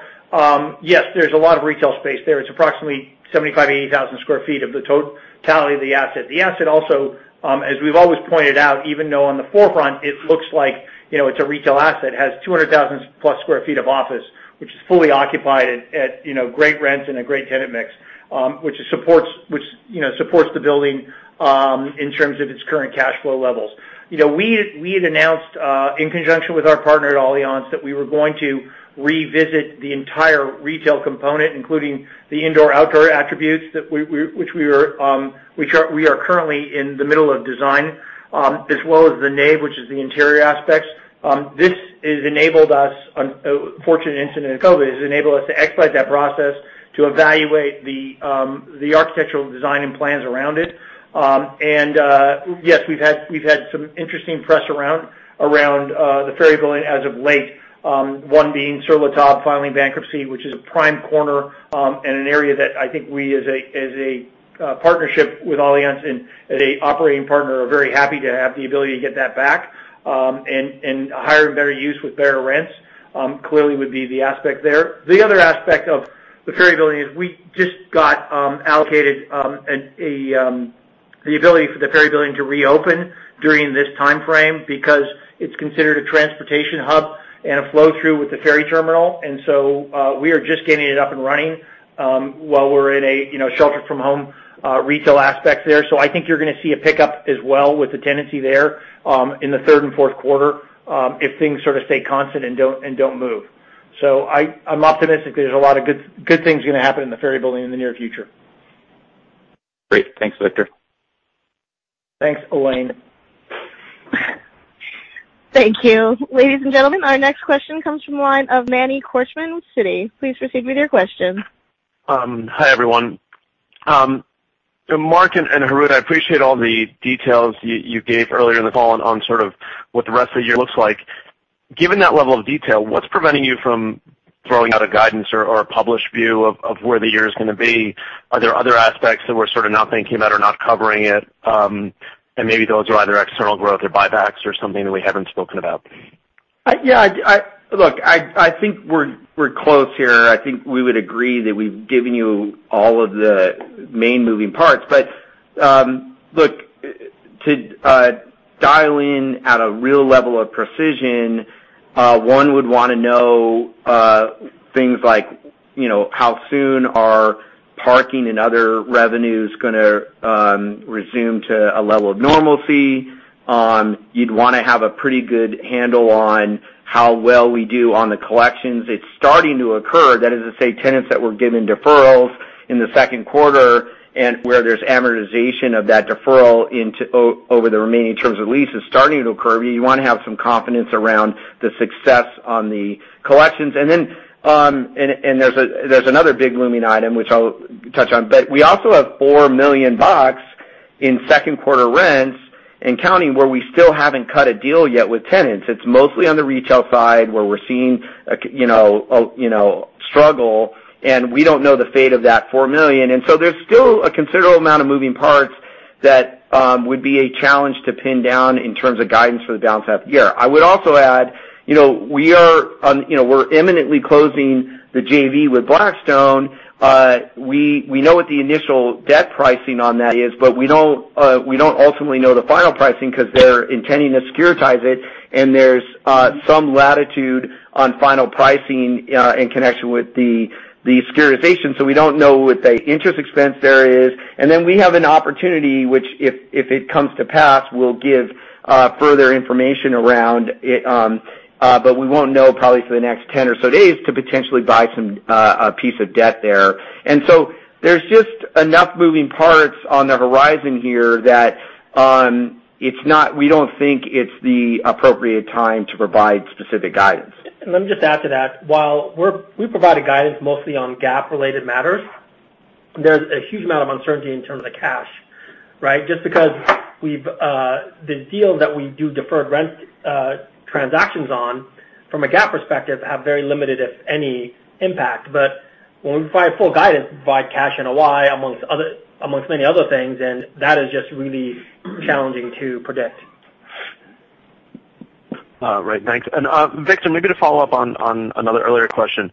yes, there's a lot of retail space there. It's approximately 75,000 sq ft-80,000 sq ft of the totality of the asset. The asset also, as we've always pointed out, even though on the forefront it looks like it's a retail asset, has 200,000-plus sq ft of office, which is fully occupied at great rents and a great tenant mix, which supports the building in terms of its current cash flow levels. We had announced in conjunction with our partner at Allianz that we were going to revisit the entire retail component, including the indoor-outdoor attributes, which we are currently in the middle of design, as well as the nave, which is the interior aspects. A fortunate incident of COVID has enabled us to expedite that process to evaluate the architectural design and plans around it. Yes, we've had some interesting press around the Ferry Building as of late. One being Sur La Table filing bankruptcy, which is a prime corner, and an area that I think we as a partnership with Allianz and as an operating partner, are very happy to have the ability to get that back, and a higher and better use with better rents, clearly would be the aspect there. The other aspect of the Ferry Building is we just got allocated the ability for the Ferry Building to reopen during this timeframe because it's considered a transportation hub and a flow-through with the ferry terminal. We are just getting it up and running while we're in a shelter-from-home retail aspect there. I think you're going to see a pickup as well with the tenancy there in the third and fourth quarter if things sort of stay constant and don't move. I'm optimistic that there's a lot of good things going to happen in the Ferry Building in the near future. Great. Thanks, Victor. Thanks, Blaine. Thank you. Ladies and gentlemen, our next question comes from the line of Emmanuel Korchman with Citi. Please proceed with your question. Hi, everyone. Mark and Harout, I appreciate all the details you gave earlier in the call on sort of what the rest of the year looks like. Given that level of detail, what's preventing you from throwing out a guidance or a published view of where the year is going to be? Are there other aspects that we're sort of not thinking about or not covering yet, and maybe those are either external growth or buybacks or something that we haven't spoken about? Look, I think we're close here. I think we would agree that we've given you all of the main moving parts. Look, to dial in at a real level of precision, one would want to know things like how soon are parking and other revenues going to resume to a level of normalcy. You'd want to have a pretty good handle on how well we do on the collections. It's starting to occur. That is to say, tenants that were given deferrals in the second quarter and where there's amortization of that deferral over the remaining terms of leases starting to occur. You want to have some confidence around the success on the collections. Then there's another big looming item, which I'll touch on. We also have $4 million in second quarter rents and counting, where we still haven't cut a deal yet with tenants. It's mostly on the retail side where we're seeing a struggle. We don't know the fate of that $4 million. There's still a considerable amount of moving parts that would be a challenge to pin down in terms of guidance for the balance half of the year. I would also add, we're imminently closing the JV with Blackstone. We know what the initial debt pricing on that is. We don't ultimately know the final pricing because they're intending to securitize it. There's some latitude on final pricing in connection with the securitization. We don't know what the interest expense there is. We have an opportunity, which if it comes to pass, we'll give further information around, but we won't know probably for the next 10 or so days to potentially buy a piece of debt there. There's just enough moving parts on the horizon here that we don't think it's the appropriate time to provide specific guidance. Let me just add to that. While we provided guidance mostly on GAAP-related matters, there's a huge amount of uncertainty in terms of the cash. Because the deals that we do deferred rent transactions on, from a GAAP perspective, have very limited, if any, impact. When we provide full guidance, provide cash and AI amongst many other things, that is just really challenging to predict. Right. Thanks. Victor, maybe to follow up on another earlier question.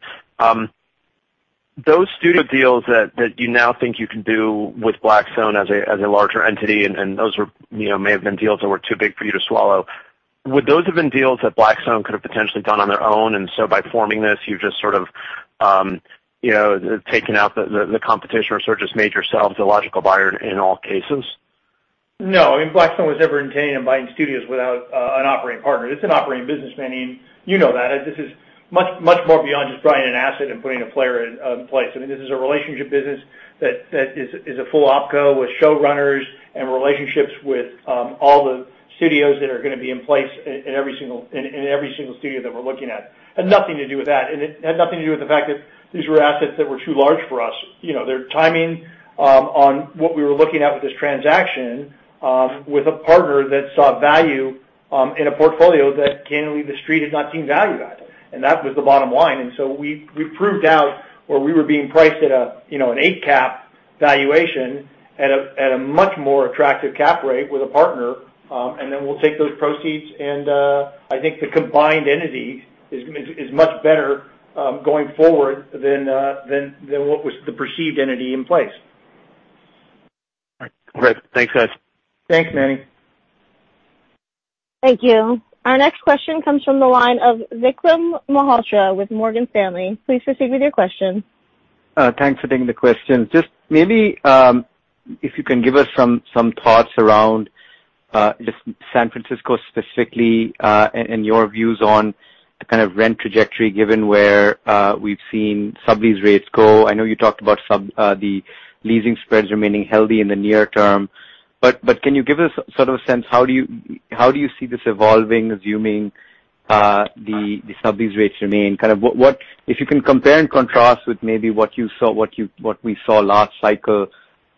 Those studio deals that you now think you can do with Blackstone as a larger entity, and those may have been deals that were too big for you to swallow. Would those have been deals that Blackstone could have potentially done on their own? By forming this, you've just sort of taken out the competition or sort of just made yourselves the logical buyer in all cases? No, Blackstone was never intending on buying studios without an operating partner. It's an operating business, Manny. You know that. This is much more beyond just buying an asset and putting a player in place. I mean, this is a relationship business that is a full opco with showrunners and relationships with all the studios that are going to be in place in every single studio that we're looking at. Had nothing to do with that. It had nothing to do with the fact that these were assets that were too large for us. Their timing on what we were looking at with this transaction with a partner that saw value in a portfolio that candidly the street had not seen value at, and that was the bottom line. We proved out where we were being priced at an eight cap valuation at a much more attractive cap rate with a partner. We'll take those proceeds, and I think the combined entity is much better going forward than what was the perceived entity in place. All right. Great. Thanks, guys. Thanks, Manny. Thank you. Our next question comes from the line of Vikram Malhotra with Morgan Stanley. Please proceed with your question. Thanks for taking the question. Just maybe if you can give us some thoughts around just San Francisco specifically and your views on the kind of rent trajectory given where we've seen sublease rates go. I know you talked about the leasing spreads remaining healthy in the near term. Can you give us sort of a sense, how do you see this evolving, assuming the sublease rates remain? If you can compare and contrast with maybe what we saw last cycle,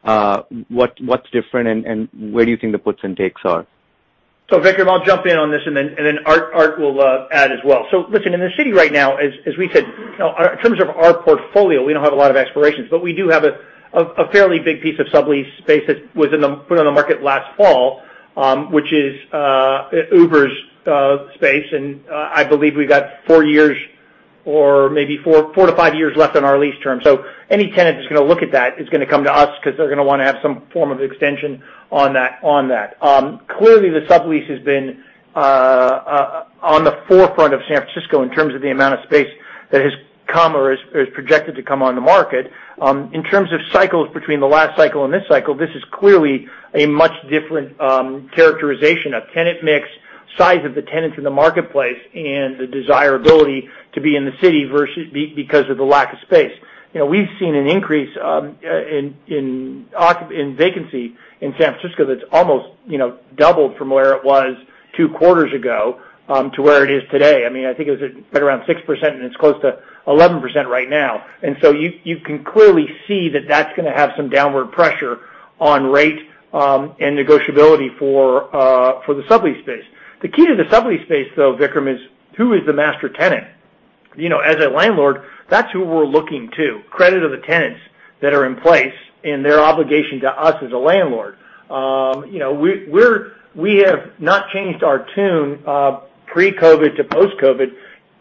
what's different and where do you think the puts and takes are? Vikram, I'll jump in on this and then Art will add as well. Listen, in the city right now, as we said, in terms of our portfolio, we don't have a lot of expirations. We do have a fairly big piece of sublease space that was put on the market last fall, which is Uber's space, and I believe we've got four years or maybe four to five years left on our lease term. Any tenant that's going to look at that is going to come to us because they're going to want to have some form of extension on that. Clearly the sublease has been on the forefront of San Francisco in terms of the amount of space that has come or is projected to come on the market. In terms of cycles between the last cycle and this cycle, this is clearly a much different characterization of tenant mix, size of the tenants in the marketplace, and the desirability to be in the city because of the lack of space. We've seen an increase in vacancy in San Francisco that's almost doubled from where it was two quarters ago to where it is today. I think it was right around 6% and it's close to 11% right now. You can clearly see that that's going to have some downward pressure on rate and negotiability for the sublease space. The key to the sublease space, though, Vikram, is who is the master tenant? As a landlord, that's who we're looking to, credit of the tenants that are in place and their obligation to us as a landlord. We have not changed our tune pre-COVID to post-COVID.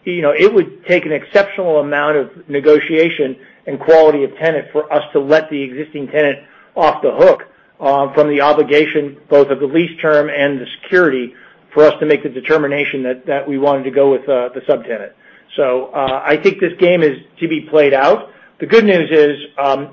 It would take an exceptional amount of negotiation and quality of tenant for us to let the existing tenant off the hook from the obligation, both of the lease term and the security, for us to make the determination that we wanted to go with the subtenant. I think this game is to be played out. The good news is,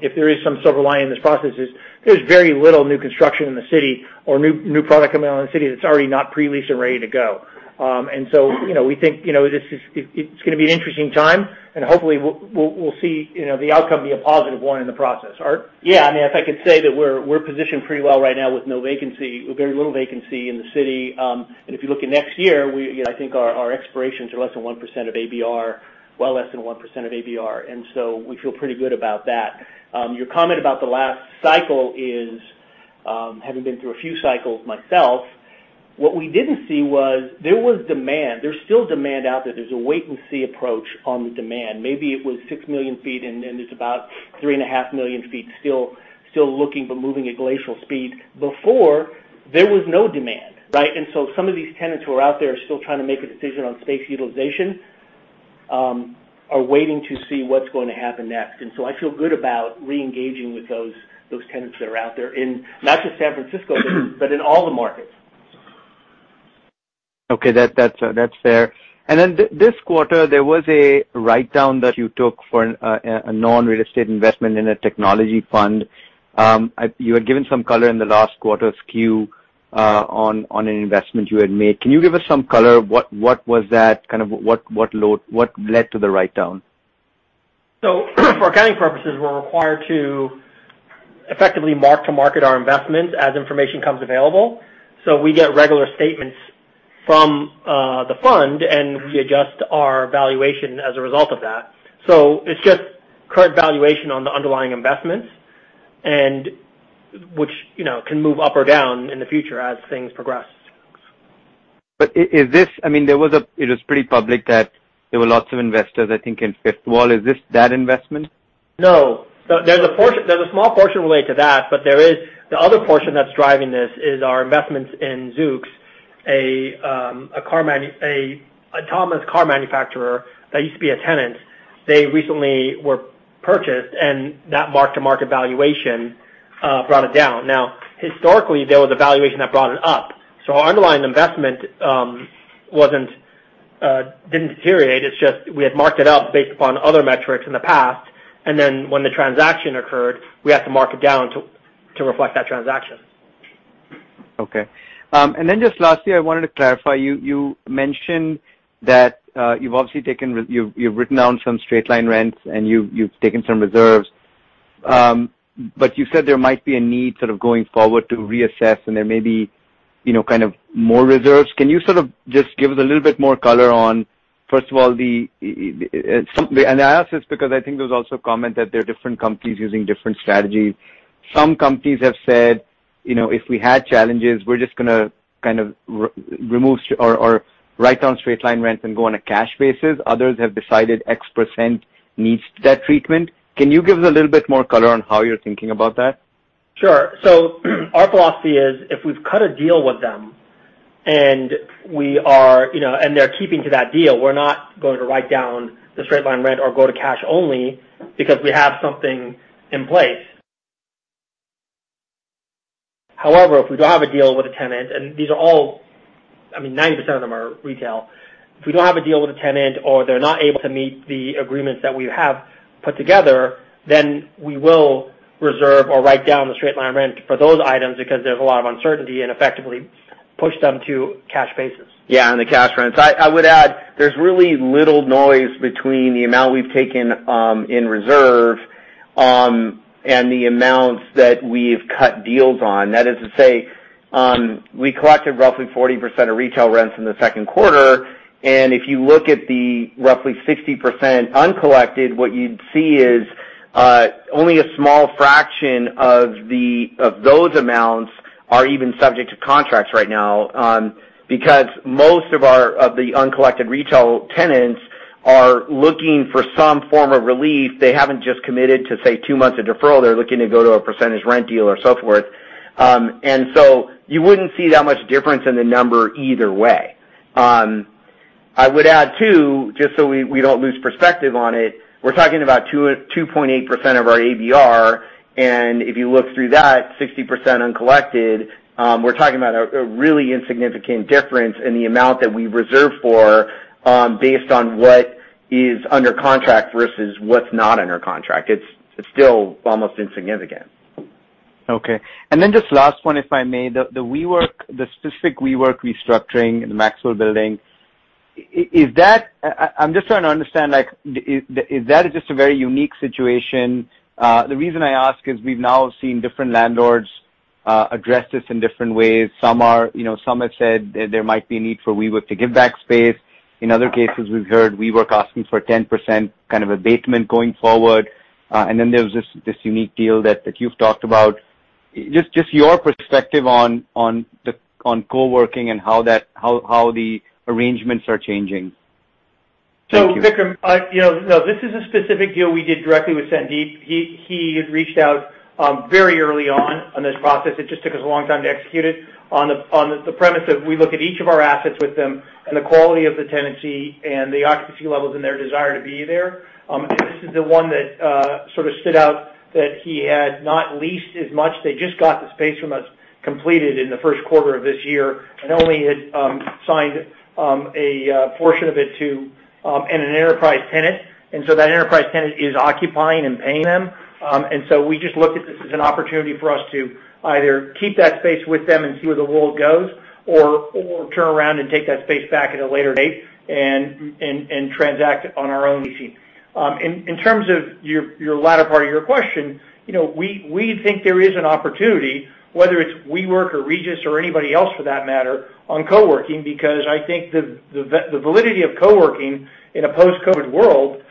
if there is some silver lining in this process, is there's very little new construction in the city or new product coming out in the city that's already not pre-leased and ready to go. We think it's going to be an interesting time, and hopefully we'll see the outcome be a positive one in the process. Art? Yeah. If I could say that we're positioned pretty well right now with no vacancy, or very little vacancy in the city. If you look at next year, I think our expirations are less than 1% of ABR, well less than 1% of ABR. We feel pretty good about that. Your comment about the last cycle is, having been through a few cycles myself, what we didn't see was there was demand. There's still demand out there. There's a wait and see approach on the demand. Maybe it was 6 million ft and there's about 3.5 million ft still looking but moving at glacial speed. Before, there was no demand, right? Some of these tenants who are out there still trying to make a decision on space utilization are waiting to see what's going to happen next. I feel good about re-engaging with those tenants that are out there in not just San Francisco, but in all the markets. Okay. That's fair. This quarter, there was a write-down that you took for a non-real estate investment in a technology fund. You had given some color in the last quarter's Q on an investment you had made. Can you give us some color? What led to the write-down? For accounting purposes, we're required to effectively mark to market our investment as information comes available. We get regular statements from the fund, and we adjust our valuation as a result of that. It's just current valuation on the underlying investments, and which can move up or down in the future as things progress. It was pretty public that there were lots of investors, I think in Fifth Wall. Is this that investment? No. There's a small portion related to that. The other portion that's driving this is our investments in Zoox, an autonomous car manufacturer that used to be a tenant. They recently were purchased, and that mark-to-market valuation brought it down. Now, historically, there was a valuation that brought it up. Our underlying investment didn't deteriorate. It's just we had marked it up based upon other metrics in the past, and then when the transaction occurred, we had to mark it down to reflect that transaction. Okay. Just lastly, I wanted to clarify, you mentioned that you've written down some straight line rents and you've taken some reserves. You said there might be a need sort of going forward to reassess, and there may be more reserves. Can you sort of just give us a little bit more color on, first of all I ask this because I think there was also a comment that there are different companies using different strategies. Some companies have said, "If we had challenges, we're just going to kind of write down straight line rent and go on a cash basis." Others have decided X percent needs that treatment. Can you give us a little bit more color on how you're thinking about that? Sure. Our philosophy is, if we've cut a deal with them and they're keeping to that deal, we're not going to write down the straight-line rent or go to cash only because we have something in place. However, if we don't have a deal with a tenant, and these are all, I mean, 90% of them are retail. If we don't have a deal with a tenant or they're not able to meet the agreements that we have put together, then we will reserve or write down the straight-line rent for those items because there's a lot of uncertainty, and effectively push them to cash basis. On the cash rents, I would add, there's really little noise between the amount we've taken in reserve and the amounts that we've cut deals on. That is to say, we collected roughly 40% of retail rents in the second quarter, and if you look at the roughly 60% uncollected, what you'd see is only a small fraction of those amounts are even subject to contracts right now. Most of the uncollected retail tenants are looking for some form of relief. They haven't just committed to, say, two months of deferral. They're looking to go to a percentage rent deal or so forth. You wouldn't see that much difference in the number either way. I would add, too, just so we don't lose perspective on it, we're talking about 2.8% of our ABR, and if you look through that 60% uncollected, we're talking about a really insignificant difference in the amount that we reserve for based on what is under contract versus what's not under contract. It's still almost insignificant. Okay. Just last one, if I may. The specific WeWork restructuring in the Maxwell building. I'm just trying to understand, is that just a very unique situation? The reason I ask is we've now seen different landlords address this in different ways. Some have said that there might be a need for WeWork to give back space. In other cases, we've heard WeWork asking for 10% kind of abatement going forward. There's this unique deal that you've talked about. Just your perspective on co-working and how the arrangements are changing. Thank you. Vikram, this is a specific deal we did directly with Sandeep. He had reached out very early on in this process. It just took us a long time to execute it. On the premise of we look at each of our assets with them and the quality of the tenancy and the occupancy levels and their desire to be there. This is the one that sort of stood out that he had not leased as much. They just got the space from us completed in the first quarter of this year and only had signed a portion of it to an enterprise tenant. That enterprise tenant is occupying and paying them. We just looked at this as an opportunity for us to either keep that space with them and see where the world goes or turn around and take that space back at a later date and transact on our own leasing. In terms of your latter part of your question, we think there is an opportunity, whether it's WeWork or Regus or anybody else for that matter, on co-working because I think the validity of co-working in a post-COVID world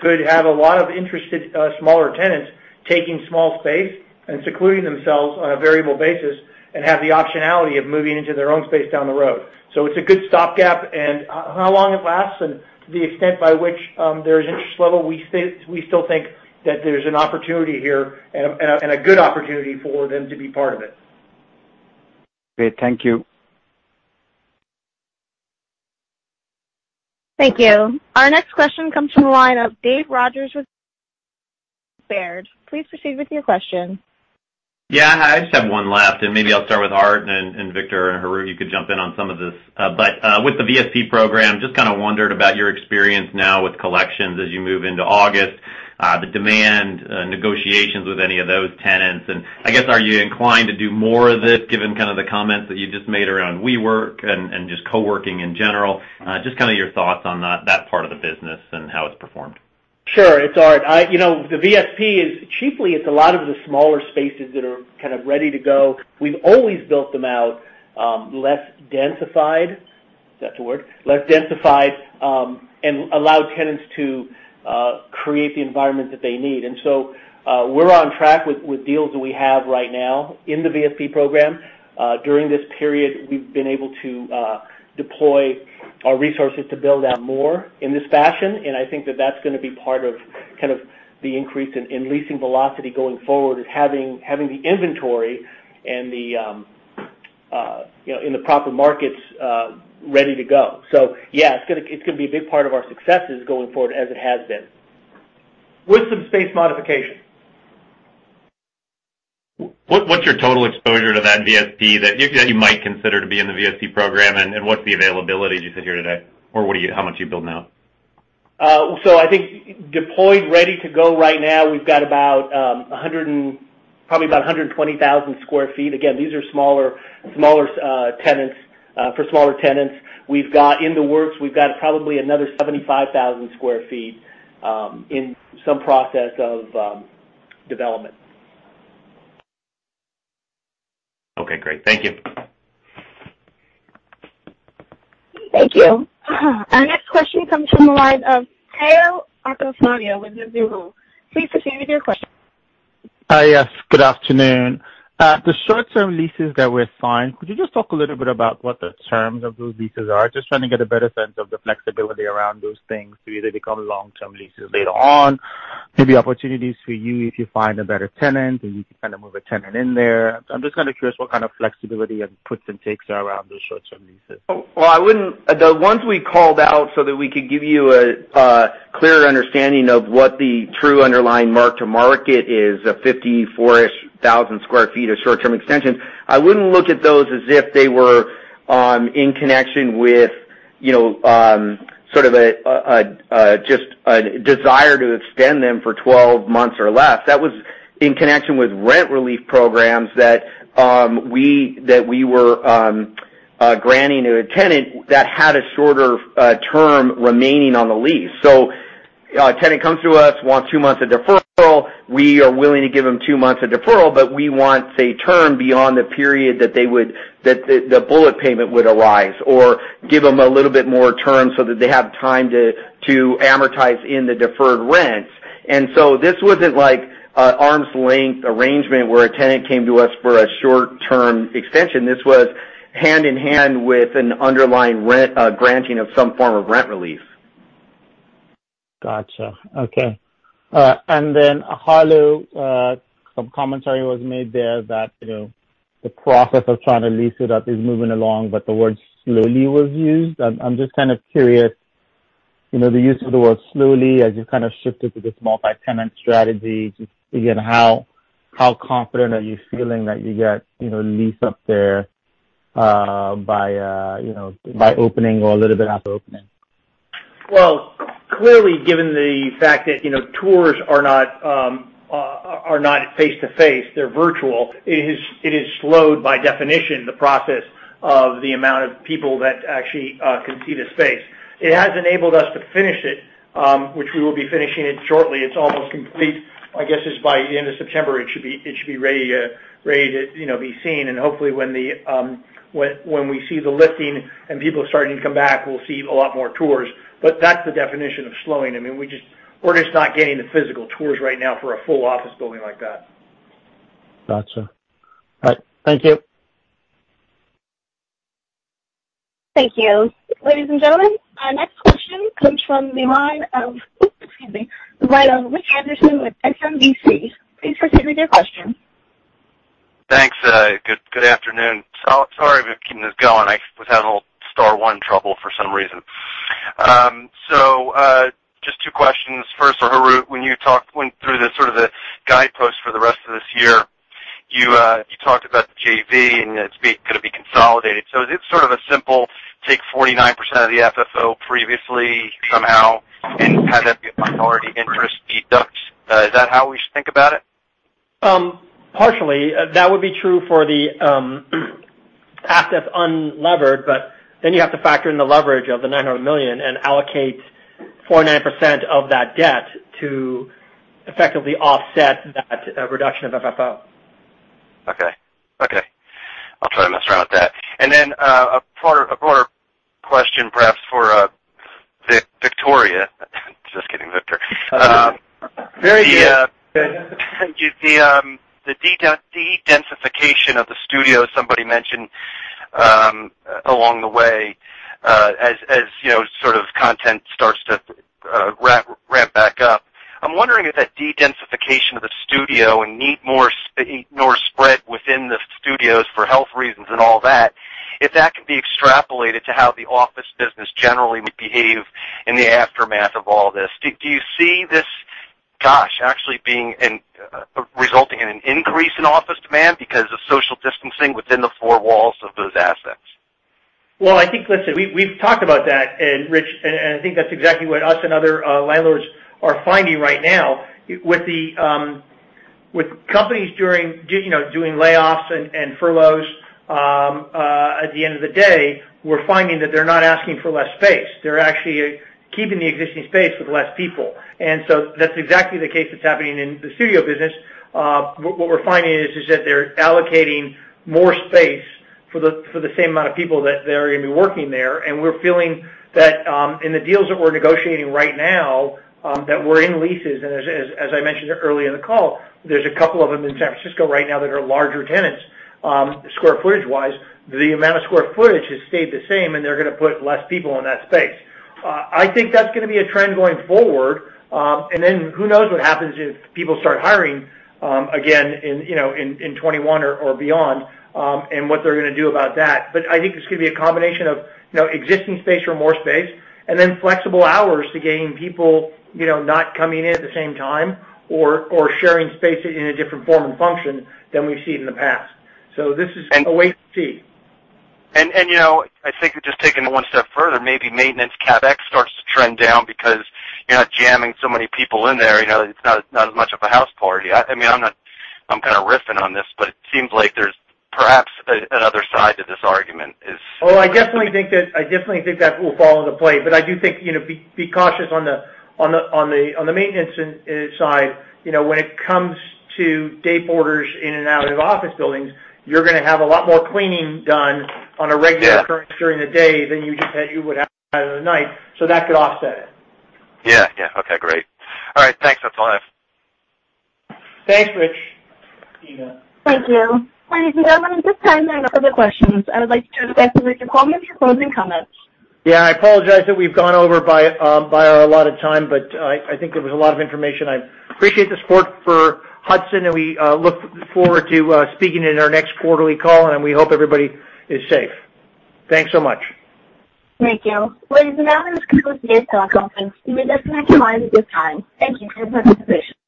could have a lot of interested smaller tenants taking small space and secluding themselves on a variable basis and have the optionality of moving into their own space down the road. It's a good stopgap and how long it lasts and to the extent by which there is interest level, we still think that there's an opportunity here and a good opportunity for them to be part of it. Great. Thank you. Thank you. Our next question comes from the line of David Rodgers with Baird. Please proceed with your question. Yeah. I just have one left and maybe I'll start with Art and then Victor and Harout, you could jump in on some of this. With the VSP program, just kind of wondered about your experience now with collections as you move into August, the demand, negotiations with any of those tenants, and I guess, are you inclined to do more of this given kind of the comments that you just made around WeWork and just co-working in general? Just kind of your thoughts on that part of the business and how it's performed. Sure. It's Art. The VSP is chiefly, it's a lot of the smaller spaces that are kind of ready to go. We've always built them out less densified, if that's a word. Less densified, allowed tenants to create the environment that they need. We're on track with deals that we have right now in the VSP program. During this period, we've been able to deploy our resources to build out more in this fashion. I think that's going to be part of kind of the increase in leasing velocity going forward is having the inventory and in the proper markets ready to go. Yeah, it's going to be a big part of our successes going forward as it has been. With some space modification. What's your total exposure to that VSP that you might consider to be in the VSP program? What's the availability as you sit here today? How much are you building out? I think deployed, ready to go right now, we've got probably about 120,000 sq ft. Again, these are for smaller tenants. In the works, we've got probably another 75,000 sq ft in some process of development. Okay, great. Thank you. Thank you. Our next question comes from the line of Tayo Okusanya with Mizuho. Please proceed with your question. Yes, good afternoon. The short-term leases that were signed, could you just talk a little bit about what the terms of those leases are? Just trying to get a better sense of the flexibility around those things. Do they become long-term leases later on? Maybe opportunities for you if you find a better tenant or you can kind of move a tenant in there. I'm just kind of curious what kind of flexibility and puts and takes are around those short-term leases. The ones we called out so that we could give you a clearer understanding of what the true underlying mark-to-market is. 54,000 sq ft of short-term extension. I wouldn't look at those as if they were in connection with sort of just a desire to extend them for 12 months or less. That was in connection with rent relief programs that we were granting to a tenant that had a shorter term remaining on the lease. A tenant comes to us, wants two months of deferral, we are willing to give them 2 months of deferral, but we want, say, term beyond the period that the bullet payment would arise or give them a little bit more term so that they have time to amortize in the deferred rents. This wasn't like an arm's length arrangement where a tenant came to us for a short-term extension. This was hand-in-hand with an underlying rent granting of some form of rent relief. Got you. Okay. Harout, some commentary was made there that the process of trying to lease it up is moving along, but the word slowly was used. I'm just kind of curious, the use of the word slowly as you kind of shifted to this multi-tenant strategy. Just again, how confident are you feeling that you get lease up there by opening or a little bit after opening? Well, clearly, given the fact that tours are not face-to-face, they're virtual, it is slowed by definition, the process of the amount of people that actually can see the space. It has enabled us to finish it, which we will be finishing it shortly. It's almost complete. I guess it's by the end of September it should be ready to be seen. Hopefully when we see the lifting and people starting to come back, we'll see a lot more tours. That's the definition of slowing. I mean, we're just not getting the physical tours right now for a full office building like that. Got you. All right. Thank you. Thank you. Ladies and gentlemen, our next question comes from the line of Richard Hill with SMBC. Please proceed with your question. Thanks. Good afternoon. Sorry for keeping this going. I was having a little star one trouble for some reason. Just two questions. First for Harout, when you talked through the sort of the guidepost for the rest of this year, you talked about the JV and it's going to be consolidated. Is it sort of a simple take 49% of the FFO previously somehow and have it be a minority interest deduct? Is that how we should think about it? Partially. That would be true for the assets unlevered, but then you have to factor in the leverage of the $900 million and allocate 49% of that debt to effectively offset that reduction of FFO. Okay. I'll try to mess around with that. A broader question perhaps for Victoria. Just kidding, Victor. Very good. The de-densification of the studio, somebody mentioned along the way, as sort of content starts to ramp back up. I'm wondering if that de-densification of the studio and need more spread within the studios for health reasons and all that, if that can be extrapolated to how the office business generally would behave in the aftermath of all this. Do you see this, gosh, actually resulting in an increase in office demand because of social distancing within the four walls of those assets? Well, I think, listen, we've talked about that, Rich, I think that's exactly what us and other landlords are finding right now with companies doing layoffs and furloughs. At the end of the day, we're finding that they're not asking for less space. They're actually keeping the existing space with less people. That's exactly the case that's happening in the studio business. What we're finding is that they're allocating more space for the same amount of people that they're going to be working there. We're feeling that in the deals that we're negotiating right now, that we're in leases, as I mentioned earlier in the call, there's a couple of them in San Francisco right now that are larger tenants, square footage-wise. The amount of square footage has stayed the same, they're going to put less people in that space. I think that's going to be a trend going forward. Who knows what happens if people start hiring again in 2021 or beyond, and what they're going to do about that. I think it's going to be a combination of existing space or more space and then flexible hours to gain people not coming in at the same time or sharing space in a different form and function than we've seen in the past. This is a wait and see. I think just taking it one step further, maybe maintenance CapEx starts to trend down because you're not jamming so many people in there. It's not as much of a house party. I'm kind of riffing on this, but it seems like there's perhaps another side to this argument. I definitely think that will fall into play. I do think be cautious on the maintenance side. When it comes to day boarders in and out of office buildings, you're going to have a lot more cleaning done on a regular occurrence. Yeah during the day than you would have in the night. That could offset it. Yeah. Okay, great. All right. Thanks a ton. Thanks, Rich. Tina. Thank you. Ladies and gentlemen, at this time, there are no other questions. I would like to turn it back to Victor Coleman for closing comments. I apologize that we've gone over by our allotted time. I think there was a lot of information. I appreciate the support for Hudson. We look forward to speaking in our next quarterly call. We hope everybody is safe. Thanks so much. Thank you. Ladies and gentlemen, this concludes today's teleconference. You may disconnect your lines at this time. Thank you for your participation.